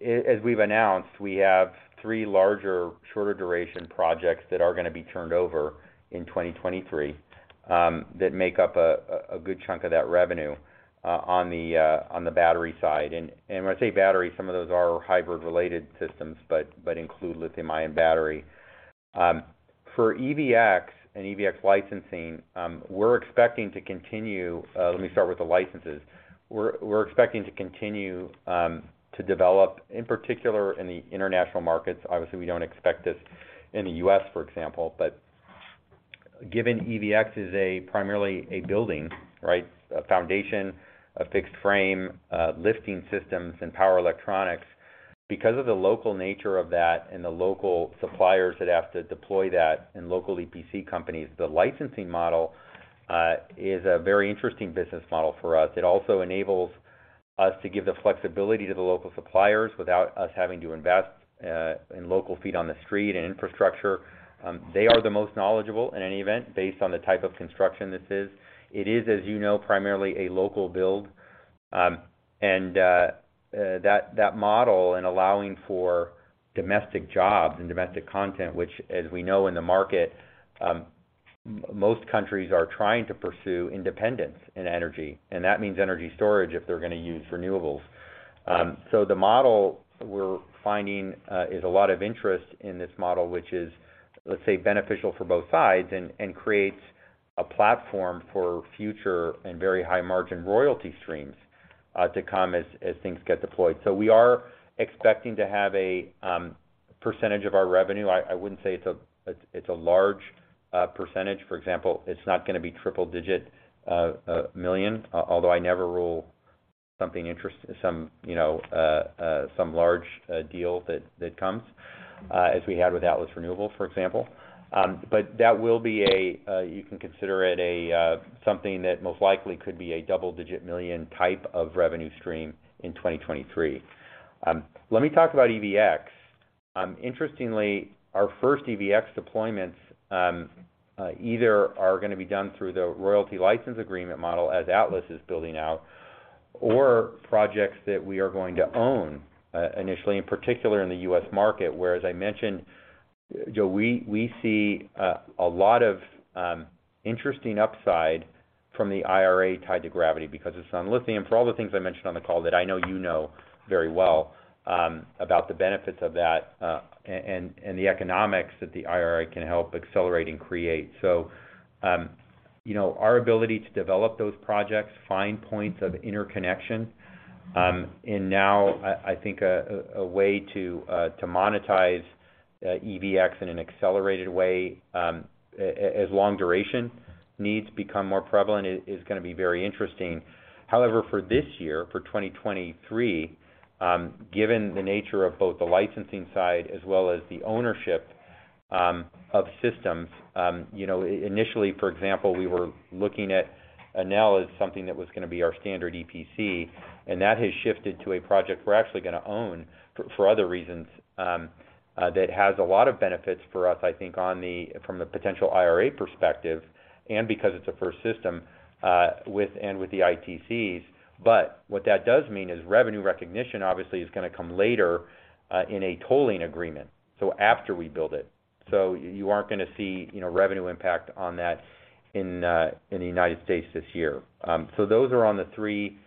as we've announced, we have three larger shorter duration projects that are gonna be turned over in 2023, that make up a good chunk of that revenue on the battery side. When I say battery, some of those are hybrid-related systems but include lithium-ion battery. For EVx and EVx licensing, we're expecting to continue. Let me start with the licenses. We're expecting to continue to develop, in particular in the international markets. Obviously, we don't expect this in the U.S., for example. Given EVx is a primarily a building, right? A foundation, a fixed frame, lifting systems and power electronics. Because of the local nature of that and the local suppliers that have to deploy that and local EPC companies, the licensing model is a very interesting business model for us. It also enables us to give the flexibility to the local suppliers without us having to invest in local feet on the street and infrastructure. They are the most knowledgeable in any event based on the type of construction this is. It is, as you know, primarily a local build. And that model and allowing for domestic jobs and domestic content, which as we know in the market, most countries are trying to pursue independence in energy, and that means energy storage if they're gonna use renewables. The model we're finding is a lot of interest in this model, which is, let's say, beneficial for both sides and creates a platform for future and very high margin royalty streams to come as things get deployed. We are expecting to have a percentage of our revenue, I wouldn't say it's a large percentage. For example, it's not gonna be triple-digit million, although I never rule some, you know, some large deal that comes as we had with Atlas Renewable, for example. That will be something that most likely could be a double-digit million type of revenue stream in 2023. Let me talk about EVx. Interestingly, our first EVx deployments, either are gonna be done through the royalty license agreement model, as Atlas is building out, or projects that we are going to own, initially, in particular in the U.S. market, where, as I mentioned, Joe, we see a lot of interesting upside from the IRA tied to gravity because it's on lithium for all the things I mentioned on the call that I know you know very well, about the benefits of that, and the economics that the IRA can help accelerate and create. You know, our ability to develop those projects, find points of interconnection, and now I think a way to monetize EVx in an accelerated way, as long duration needs become more prevalent is gonna be very interesting. However, for this year, for 2023, given the nature of both the licensing side as well as the ownership of systems, you know, initially, for example, we were looking at Enel as something that was gonna be our standard EPC, and that has shifted to a project we're actually gonna own for other reasons, that has a lot of benefits for us, I think, from the potential IRA perspective and because it's a first system, with and with the ITCs. What that does mean is revenue recognition obviously is gonna come later, in a tolling agreement, so after we build it. You aren't gonna see, you know, revenue impact on that in the United States this year. Those are the three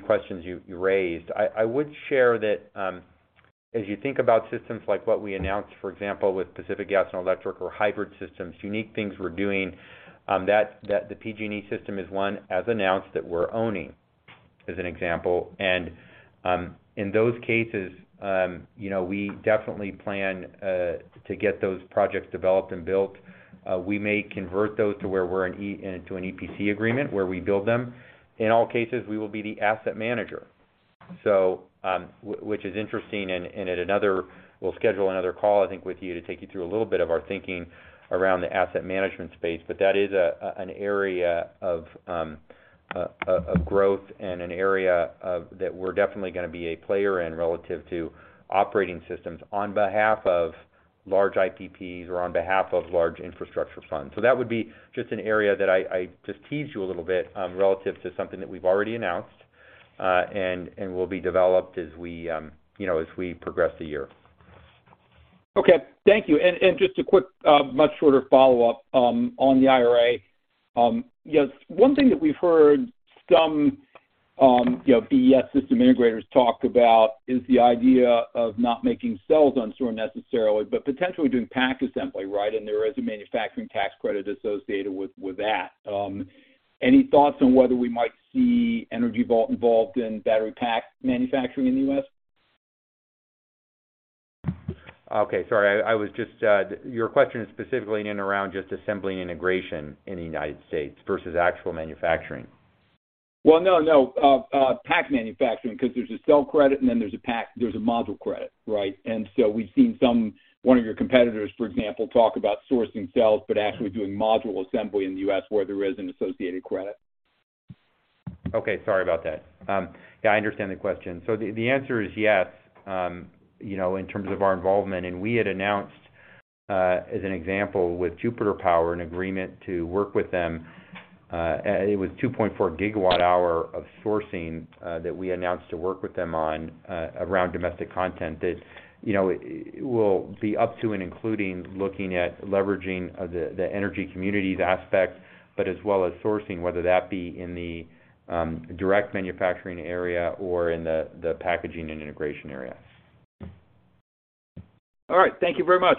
questions you raised. I would share that, as you think about systems like what we announced, for example, with Pacific Gas and Electric hybrid systems, unique things we're doing, that the PG&E system is one, as announced, that we're owning, as an example. In those cases, you know, we definitely plan to get those projects developed and built. We may convert those to where we're an EPC agreement, where we build them. In all cases, we will be the asset manager. Which is interesting and we'll schedule another call, I think, with you to take you through a little bit of our thinking around the asset management space, but that is an area of growth and an area of that we're definitely gonna be a player in relative to operating systems on behalf of large IPPs or on behalf of large infrastructure funds. That would be just an area that I just teased you a little bit, relative to something that we've already announced, and will be developed as we, you know, as we progress the year. Okay. Thank you. Just a quick, much shorter follow-up on the IRA. You know, one thing that we've heard some, you know, BES system integrators talk about is the idea of not making cells on store necessarily, but potentially doing pack assembly, right? There is a manufacturing tax credit associated with that. Any thoughts on whether we might see Energy Vault involved in battery pack manufacturing in the U.S.? Okay. Sorry. I was just. Your question is specifically in and around just assembling integration in the United States versus actual manufacturing. Well, no. pack manufacturing, 'cause there's a cell credit, and then there's a module credit, right? We've seen one of your competitors, for example, talk about sourcing cells, but actually doing module assembly in the U.S., where there is an associated credit. Okay. Sorry about that. Yeah, I understand the question. The answer is yes, you know, in terms of our involvement. We had announced, as an example, with Jupiter Power, an agreement to work with them. It was 2.4 GWh of sourcing, that we announced to work with them on, around domestic content that, you know, it will be up to and including looking at leveraging, the energy communities aspect, but as well as sourcing, whether that be in the, direct manufacturing area or in the packaging and integration area. All right. Thank you very much.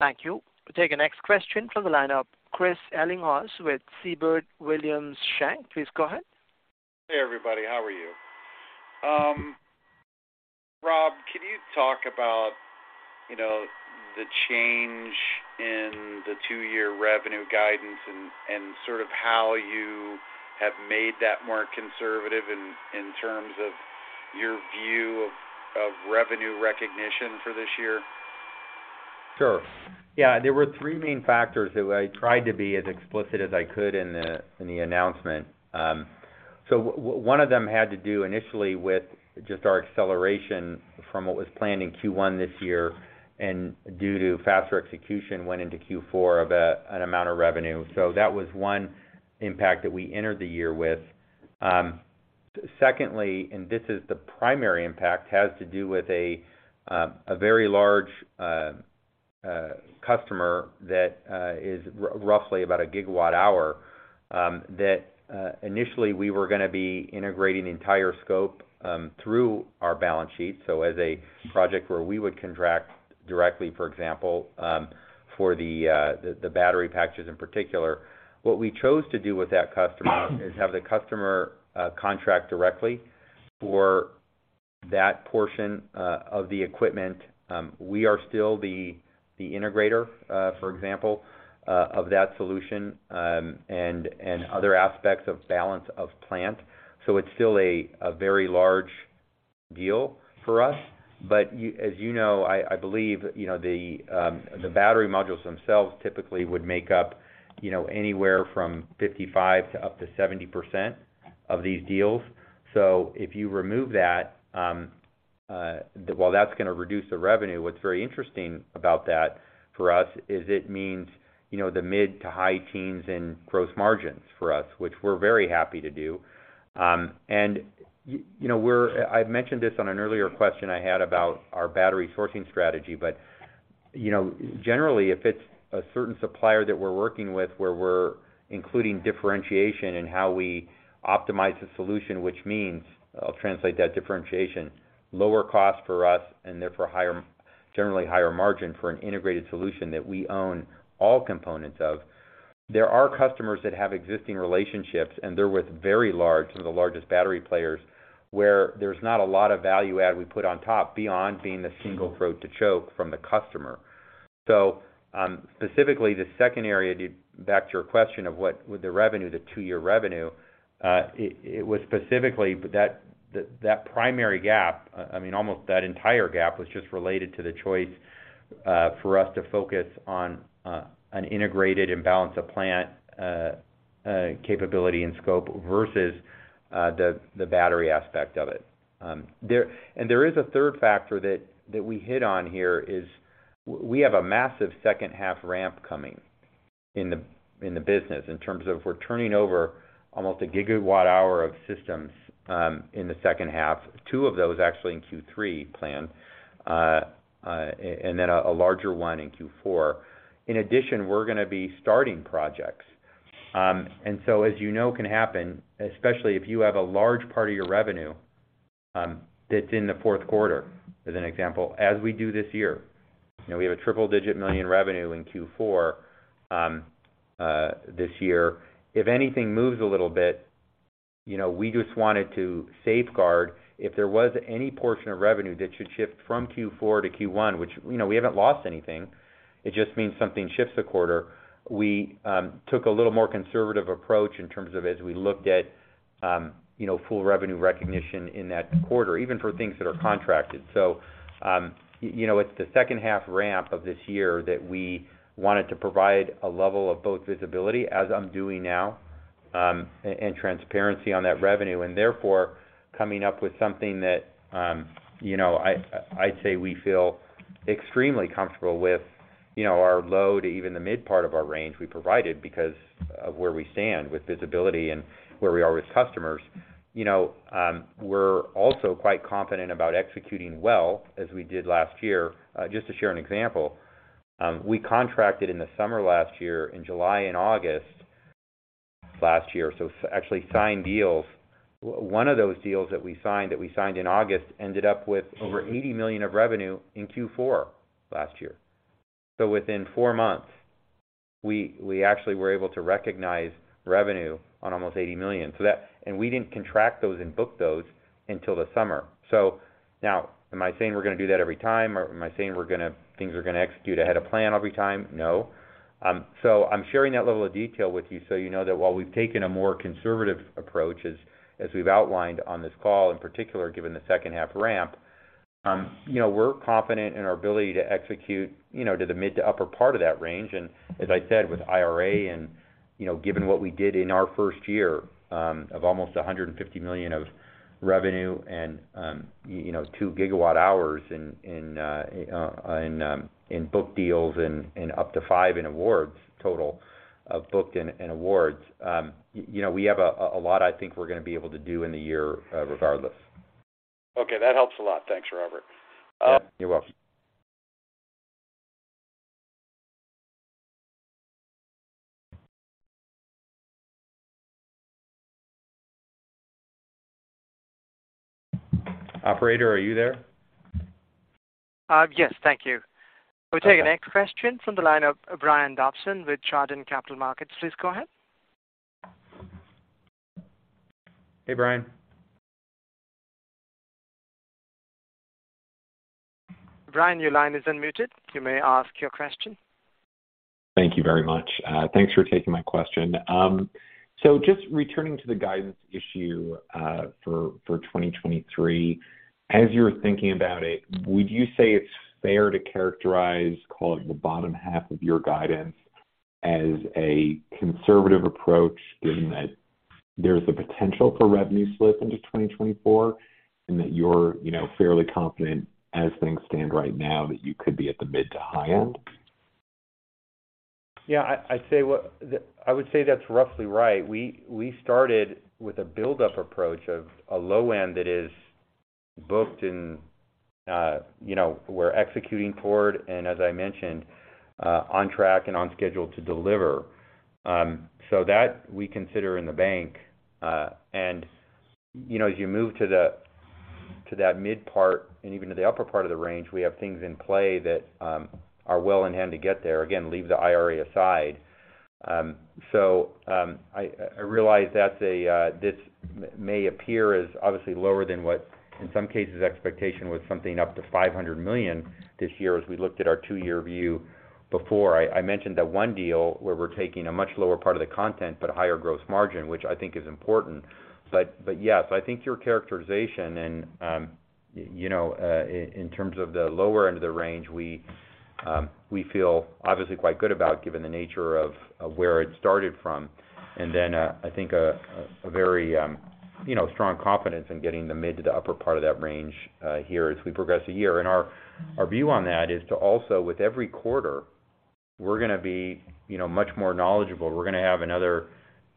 Thank you. We'll take the next question from the lineup. Chris Ellinghaus with Siebert Williams Shank, please go ahead. Hey, everybody. How are you? Rob, can you talk about, you know, the change in the two-year revenue guidance and sort of how you have made that more conservative in terms of your view of revenue recognition for this year? Sure. Yeah. There were three main factors that I tried to be as explicit as I could in the, in the announcement. One of them had to do initially with just our acceleration from what was planned in Q1 this year, and due to faster execution, went into Q4 of an amount of revenue. That was one impact that we entered the year with. Secondly, and this is the primary impact, has to do with a very large customer that is roughly about a gigawatt hour, that initially we were gonna be integrating the entire scope through our balance sheet, so as a project where we would contract directly, for example, for the battery packages in particular. What we chose to do with that customer is have the customer contract directly for that portion of the equipment. We are still the integrator, for example, of that solution, and other aspects of balance of plant. It's still a very large deal for us. As you know, I believe, you know, the battery modules themselves typically would make up, you know, anywhere from 55% to up to 70% of these deals. If you remove that, while that's gonna reduce the revenue, what's very interesting about that for us is it means, you know, the mid to high teens in gross margins for us, which we're very happy to do. You know, I've mentioned this on an earlier question I had about our battery sourcing strategy, but, you know, generally, if it's a certain supplier that we're working with where we're including differentiation in how we optimize the solution, which means I'll translate that differentiation, lower cost for us, and therefore generally higher margin for an integrated solution that we own all components of. There are customers that have existing relationships, and they're with very large, some of the largest battery players, where there's not a lot of value add we put on top beyond being the single throat to choke from the customer. Specifically, the second area, back to your question of what would the revenue, the 2-year revenue, it was specifically that primary gap, I mean, almost that entire gap was just related to the choice for us to focus on an integrated and balance of plant capability and scope versus the battery aspect of it. There is a third factor that we hit on here. We have a massive second-half ramp coming in the business in terms of we're turning over almost a GWh of systems in the second half, two of those actually in Q3 planned and then a larger one in Q4. In addition, we're gonna be starting projects. As you know can happen, especially if you have a large part of your revenue, that's in the fourth quarter, as an example, as we do this year, you know, we have a triple-digit million revenue in Q4 this year. If anything moves a little bit, you know, we just wanted to safeguard. If there was any portion of revenue that should shift from Q4 to Q1, which, you know, we haven't lost anything, it just means something shifts a quarter. We took a little more conservative approach in terms of as we looked at, you know, full revenue recognition in that quarter, even for things that are contracted. You know, it's the second half ramp of this year that we wanted to provide a level of both visibility as I'm doing now, and transparency on that revenue, and therefore, coming up with something that, you know, I'd say we feel extremely comfortable with, you know, our low to even the mid part of our range we provided because of where we stand with visibility and where we are with customers. You know, we're also quite confident about executing well as we did last year. Just to share an example, we contracted in the summer last year in July and August last year, so actually signed deals. One of those deals that we signed in August ended up with over $80 million of revenue in Q4 last year. Within four months, we actually were able to recognize revenue on almost $80 million. We didn't contract those and book those until the summer. Now, am I saying we're gonna do that every time, or am I saying we're gonna execute ahead of plan every time? No. I'm sharing that level of detail with you so you know that while we've taken a more conservative approach, as we've outlined on this call, in particular, given the second-half ramp, you know, we're confident in our ability to execute, you know, to the mid to upper part of that range. As I said, with IRA and, you know, given what we did in our first year, of almost $150 million of revenue and, you know, 2 GWh in booked deals and up to 5 in awards total of booked in awards. You know, we have a lot I think we're gonna be able to do in the year, regardless. That helps a lot. Thanks, Robert. Yeah. You're welcome. Operator, are you there? Yes. Thank you. Okay. We'll take the next question from the line of Brian Dobson with Chardan Capital Markets. Please go ahead. Hey, Brian. Brian, your line is unmuted. You may ask your question. Thank you very much. Thanks for taking my question. Just returning to the guidance issue for 2023. As you're thinking about it, would you say it's fair to characterize, call it the bottom half of your guidance as a conservative approach, given that there's the potential for revenue slip into 2024 and that you're, you know, fairly confident as things stand right now that you could be at the mid to high end? Yeah. I'd say I would say that's roughly right. We, we started with a build-up approach of a low end that is booked and, you know, we're executing toward, and as I mentioned, on track and on schedule to deliver. That we consider in the bank. You know, as you move to that mid part and even to the upper part of the range, we have things in play that are well in hand to get there. Again, leave the IRA aside. I realize that's a this may appear as obviously lower than what in some cases expectation was something up to $500 million this year as we looked at our 2-year view before. I mentioned that one deal where we're taking a much lower part of the content but a higher gross margin, which I think is important. Yes, I think your characterization and, you know, in terms of the lower end of the range, we feel obviously quite good about given the nature of where it started from. I think a very, you know, strong confidence in getting the mid to the upper part of that range here as we progress the year. Our view on that is to also, with every quarter, we're gonna be, you know, much more knowledgeable. We're gonna have another,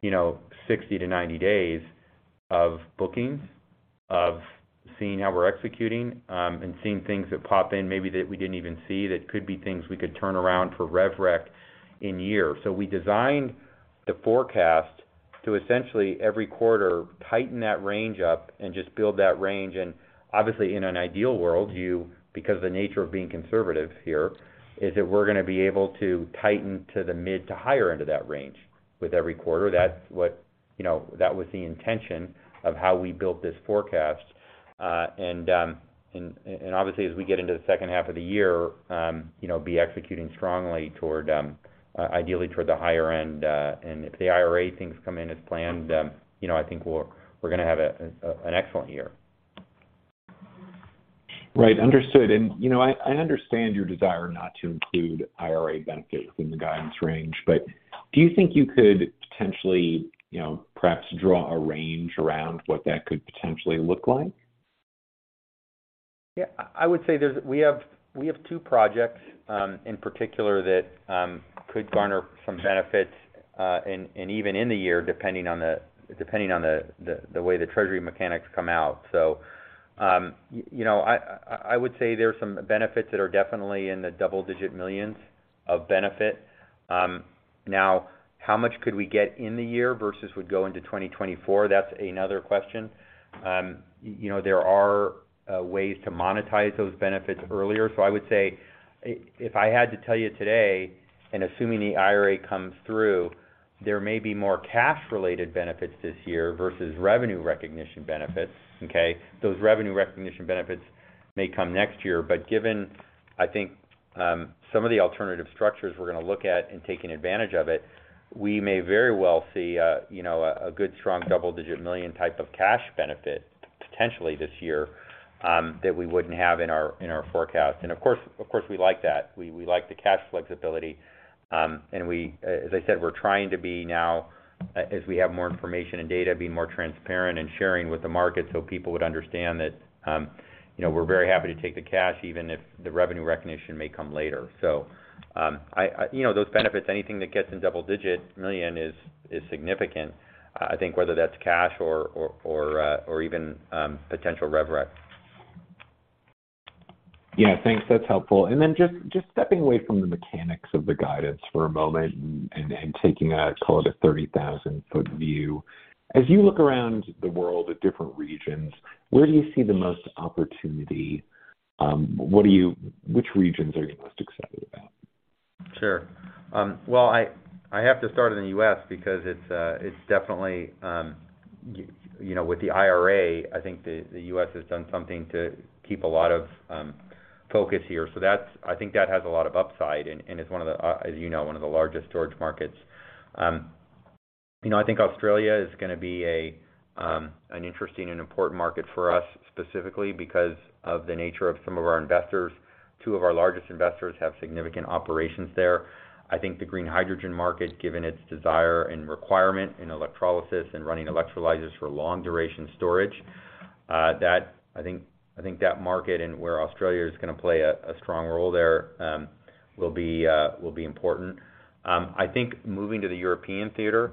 you know, 60-90 days of bookings, of seeing how we're executing, and seeing things that pop in maybe that we didn't even see that could be things we could turn around for rev rec in year. We designed the forecast to essentially every quarter tighten that range up and just build that range. Obviously in an ideal world, because the nature of being conservative here, is that we're gonna be able to tighten to the mid to higher end of that range with every quarter. That's what, you know, that was the intention of how we built this forecast. obviously, as we get into the second half of the year, you know, be executing strongly toward, ideally toward the higher end, and if the IRA things come in as planned, you know, I think we're gonna have an excellent year. Right. Understood. You know, I understand your desire not to include IRA benefits in the guidance range, but do you think you could potentially, you know, perhaps draw a range around what that could potentially look like? Yeah. I would say We have two projects in particular that could garner some benefits, and even in the year, depending on the way the treasury mechanics come out. You know, I would say there are some benefits that are definitely in the double-digit millions of benefit. Now how much could we get in the year versus would go into 2024? That's another question. You know, there are ways to monetize those benefits earlier. I would say if I had to tell you today, and assuming the IRA comes through, there may be more cash-related benefits this year versus revenue recognition benefits, okay? Those revenue recognition benefits may come next year. Given, I think, some of the alternative structures we're gonna look at in taking advantage of it, we may very well see a, you know, good strong double-digit million type of cash benefit potentially this year, that we wouldn't have in our forecast. Of course, we like that. We like the cash flexibility. As I said, we're trying to be now, as we have more information and data, being more transparent and sharing with the market so people would understand that, you know, we're very happy to take the cash even if the revenue recognition may come later. You know, those benefits, anything that gets in double-digit million is significant. I think whether that's cash or even potential rev rec. Yeah. Thanks. That's helpful. Then just stepping away from the mechanics of the guidance for a moment and taking call it a 30,000 foot view, as you look around the world at different regions, where do you see the most opportunity? Which regions are you most excited about? Sure. Well, I have to start in the U.S. because it's definitely, you know, with the IRA, I think the U.S. has done something to keep a lot of focus here. I think that has a lot of upside and it's one of the, as you know, one of the largest storage markets. You know, I think Australia is gonna be an interesting and important market for us, specifically because of the nature of some of our investors. Two of our largest investors have significant operations there. I think the green hydrogen market, given its desire and requirement in electrolysis and running electrolyzers for long-duration storage, I think that market and where Australia is gonna play a strong role there, will be important. I think moving to the European theater,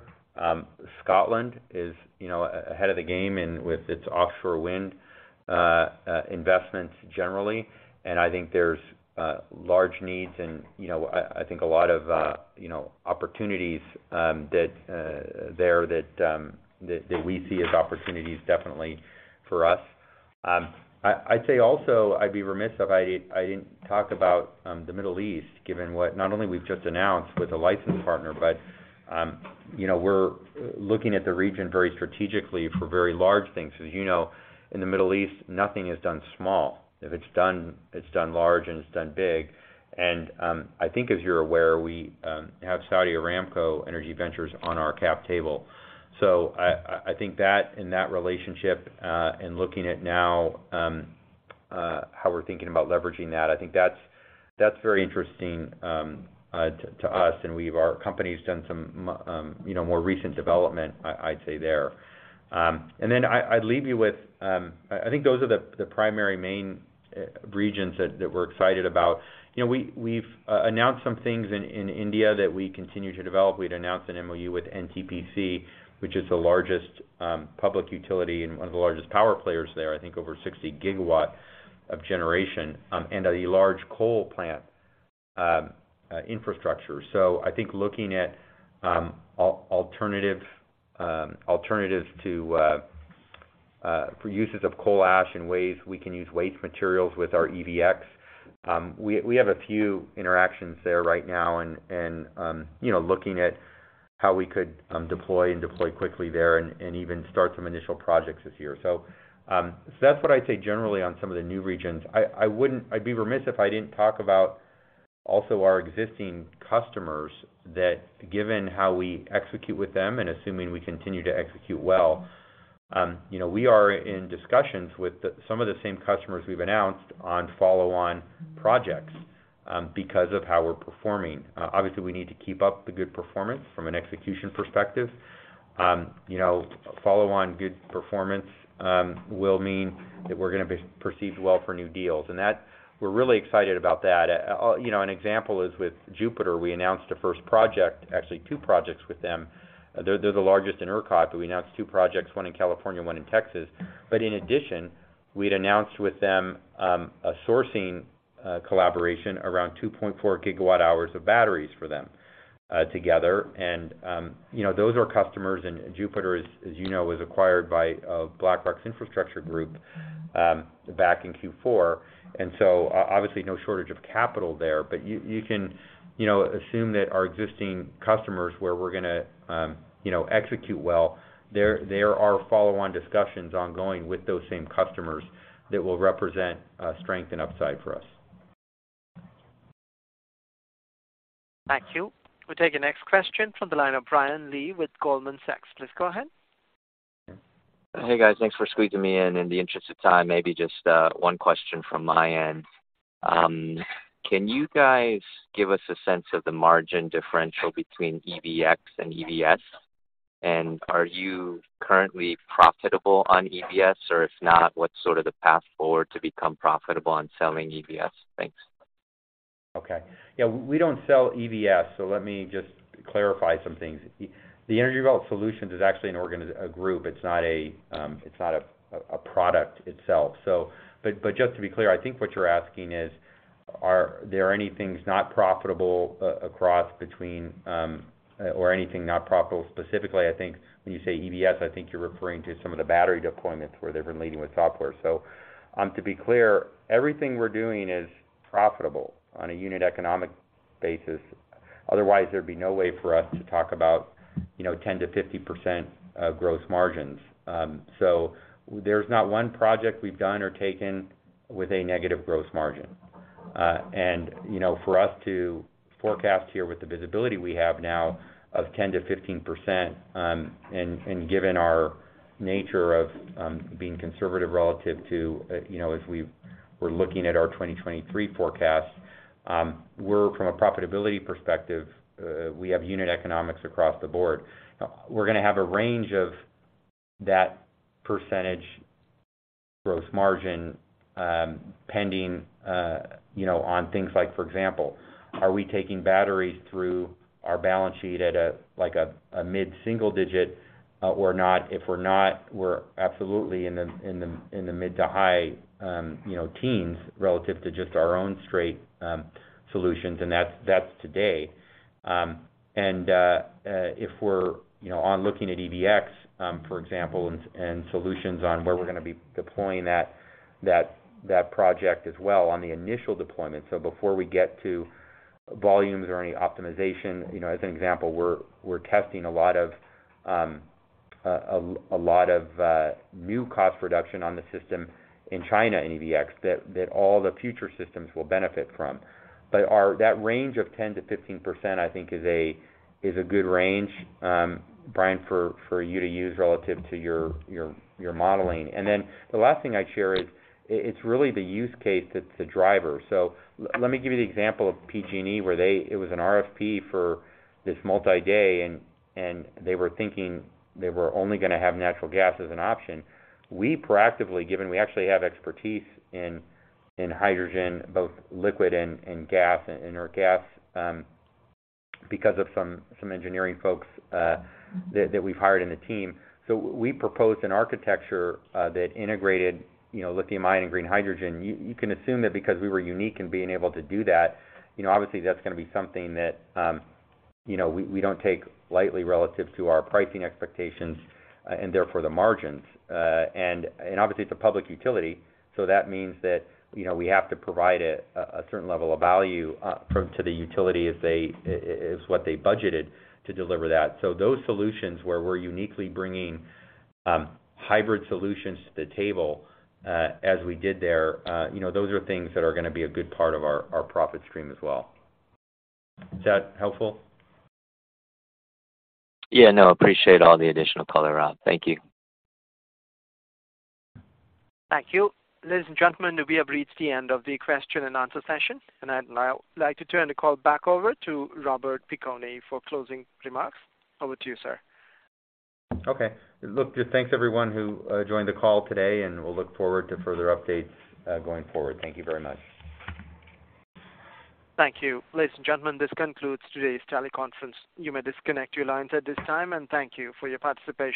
Scotland is, you know, ahead of the game with its offshore wind investments generally. I think there's large needs and, you know, I think a lot of, you know, opportunities that there that we see as opportunities definitely for us. I'd say also I'd be remiss if I didn't, I didn't talk about the Middle East, given what not only we've just announced with a licensed partner, but, you know, we're looking at the region very strategically for very large things. As you know, in the Middle East, nothing is done small. If it's done, it's done large, and it's done big. I think as you're aware, we have Saudi Aramco Energy Ventures on our cap table. I think that and that relationship, and looking at now, how we're thinking about leveraging that, I think that's very interesting to us, and our company's done some, you know, more recent development, I'd say, there. I'd leave you with. I think those are the primary main regions that we're excited about. You know, we've announced some things in India that we continue to develop. We'd announced an MOU with NTPC, which is the largest public utility and one of the largest power players there, I think over 60 GW of generation, and a large coal plant infrastructure. I think looking at alternatives for uses of coal ash and ways we can use waste materials with our EVx. We have a few interactions there right now and, you know, looking at how we could deploy and deploy quickly there and even start some initial projects this year. That's what I'd say generally on some of the new regions. I'd be remiss if I didn't talk about also our existing customers that given how we execute with them and assuming we continue to execute well, you know, we are in discussions with the, some of the same customers we've announced on follow-on projects because of how we're performing. Obviously, we need to keep up the good performance from an execution perspective. You know, follow-on good performance will mean that we're gonna be perceived well for new deals. We're really excited about that. You know, an example is with Jupiter. We announced the first project, actually two projects with them. They're the largest in ERCOT, but we announced two projects, one in California, one in Texas. In addition, we'd announced with them a sourcing collaboration around 2.4 GWh of batteries for them together. You know, those are customers, and Jupiter is, as you know, was acquired by BlackRock's infrastructure group back in Q4. Obviously, no shortage of capital there. You can, you know, assume that our existing customers where we're gonna, you know, execute well, there are follow-on discussions ongoing with those same customers that will represent strength and upside for us. Thank you. We'll take the next question from the line of Brian Lee with Goldman Sachs. Please go ahead. Hey, guys. Thanks for squeezing me in. In the interest of time, maybe just one question from my end. Can you guys give us a sense of the margin differential between EVx and EVS? Are you currently profitable on EVS? If not, what's sort of the path forward to become profitable on selling EVS? Thanks. Yeah, we don't sell EVS. Let me just clarify some things. The Energy Development Solutions is actually a group. It's not a product itself. Just to be clear, I think what you're asking is, are there any things not profitable across between, or anything not profitable? Specifically, I think when you say EVS, I think you're referring to some of the battery deployments where they've been leading with software. To be clear, everything we're doing is profitable on a unit economic basis. Otherwise, there'd be no way for us to talk about, you know, 10%-50% of gross margins. There's not one project we've done or taken with a negative gross margin. you know, for us to forecast here with the visibility we have now of 10%-15%, given our nature of being conservative relative to, you know, as we're looking at our 2023 forecast, we're from a profitability perspective, we have unit economics across the board. We're gonna have a range of that percentage gross margin, pending, you know, on things like, for example, are we taking batteries through our balance sheet at a, like a mid-single digit, or not? If we're not, we're absolutely in the mid to high, you know, teens relative to just our own straight solutions, and that's today. If we're, you know, on looking at EVx, for example, and solutions on where we're gonna be deploying that project as well on the initial deployment. Before we get to volumes or any optimization, you know, as an example, we're testing a lot of new cost reduction on the system in China in EVx that all the future systems will benefit from. That range of 10%-15%, I think is a good range, Brian, for you to use relative to your modeling. The last thing I'd share is it's really the use case that's the driver. Let me give you the example of PG&E, where they it was an RFP for this multi-day, and they were thinking they were only gonna have natural gas as an option. We proactively, given we actually have expertise in hydrogen, both liquid and gas, and, or gas, because of some engineering folks that we've hired in the team. We proposed an architecture that integrated, you know, lithium-ion and green hydrogen. You can assume that because we were unique in being able to do that, you know, obviously that's gonna be something that, you know, we don't take lightly relative to our pricing expectations, and therefore, the margins. Obviously, it's a public utility, so that means that, you know, we have to provide a certain level of value to the utility if they, is what they budgeted to deliver that. Those solutions where we're uniquely bringing hybrid solutions to the table, as we did there, you know, those are things that are gonna be a good part of our profit stream as well. Is that helpful? Yeah, no, appreciate all the additional color, Rob. Thank you. Thank you. Ladies and gentlemen, we have reached the end of the question and answer session. I'd now like to turn the call back over to Robert Piconi for closing remarks. Over to you, sir. Okay. Look, just thanks everyone who joined the call today. We'll look forward to further updates going forward. Thank you very much. Thank you. Ladies and gentlemen, this concludes today's teleconference. You may disconnect your lines at this time, and thank you for your participation.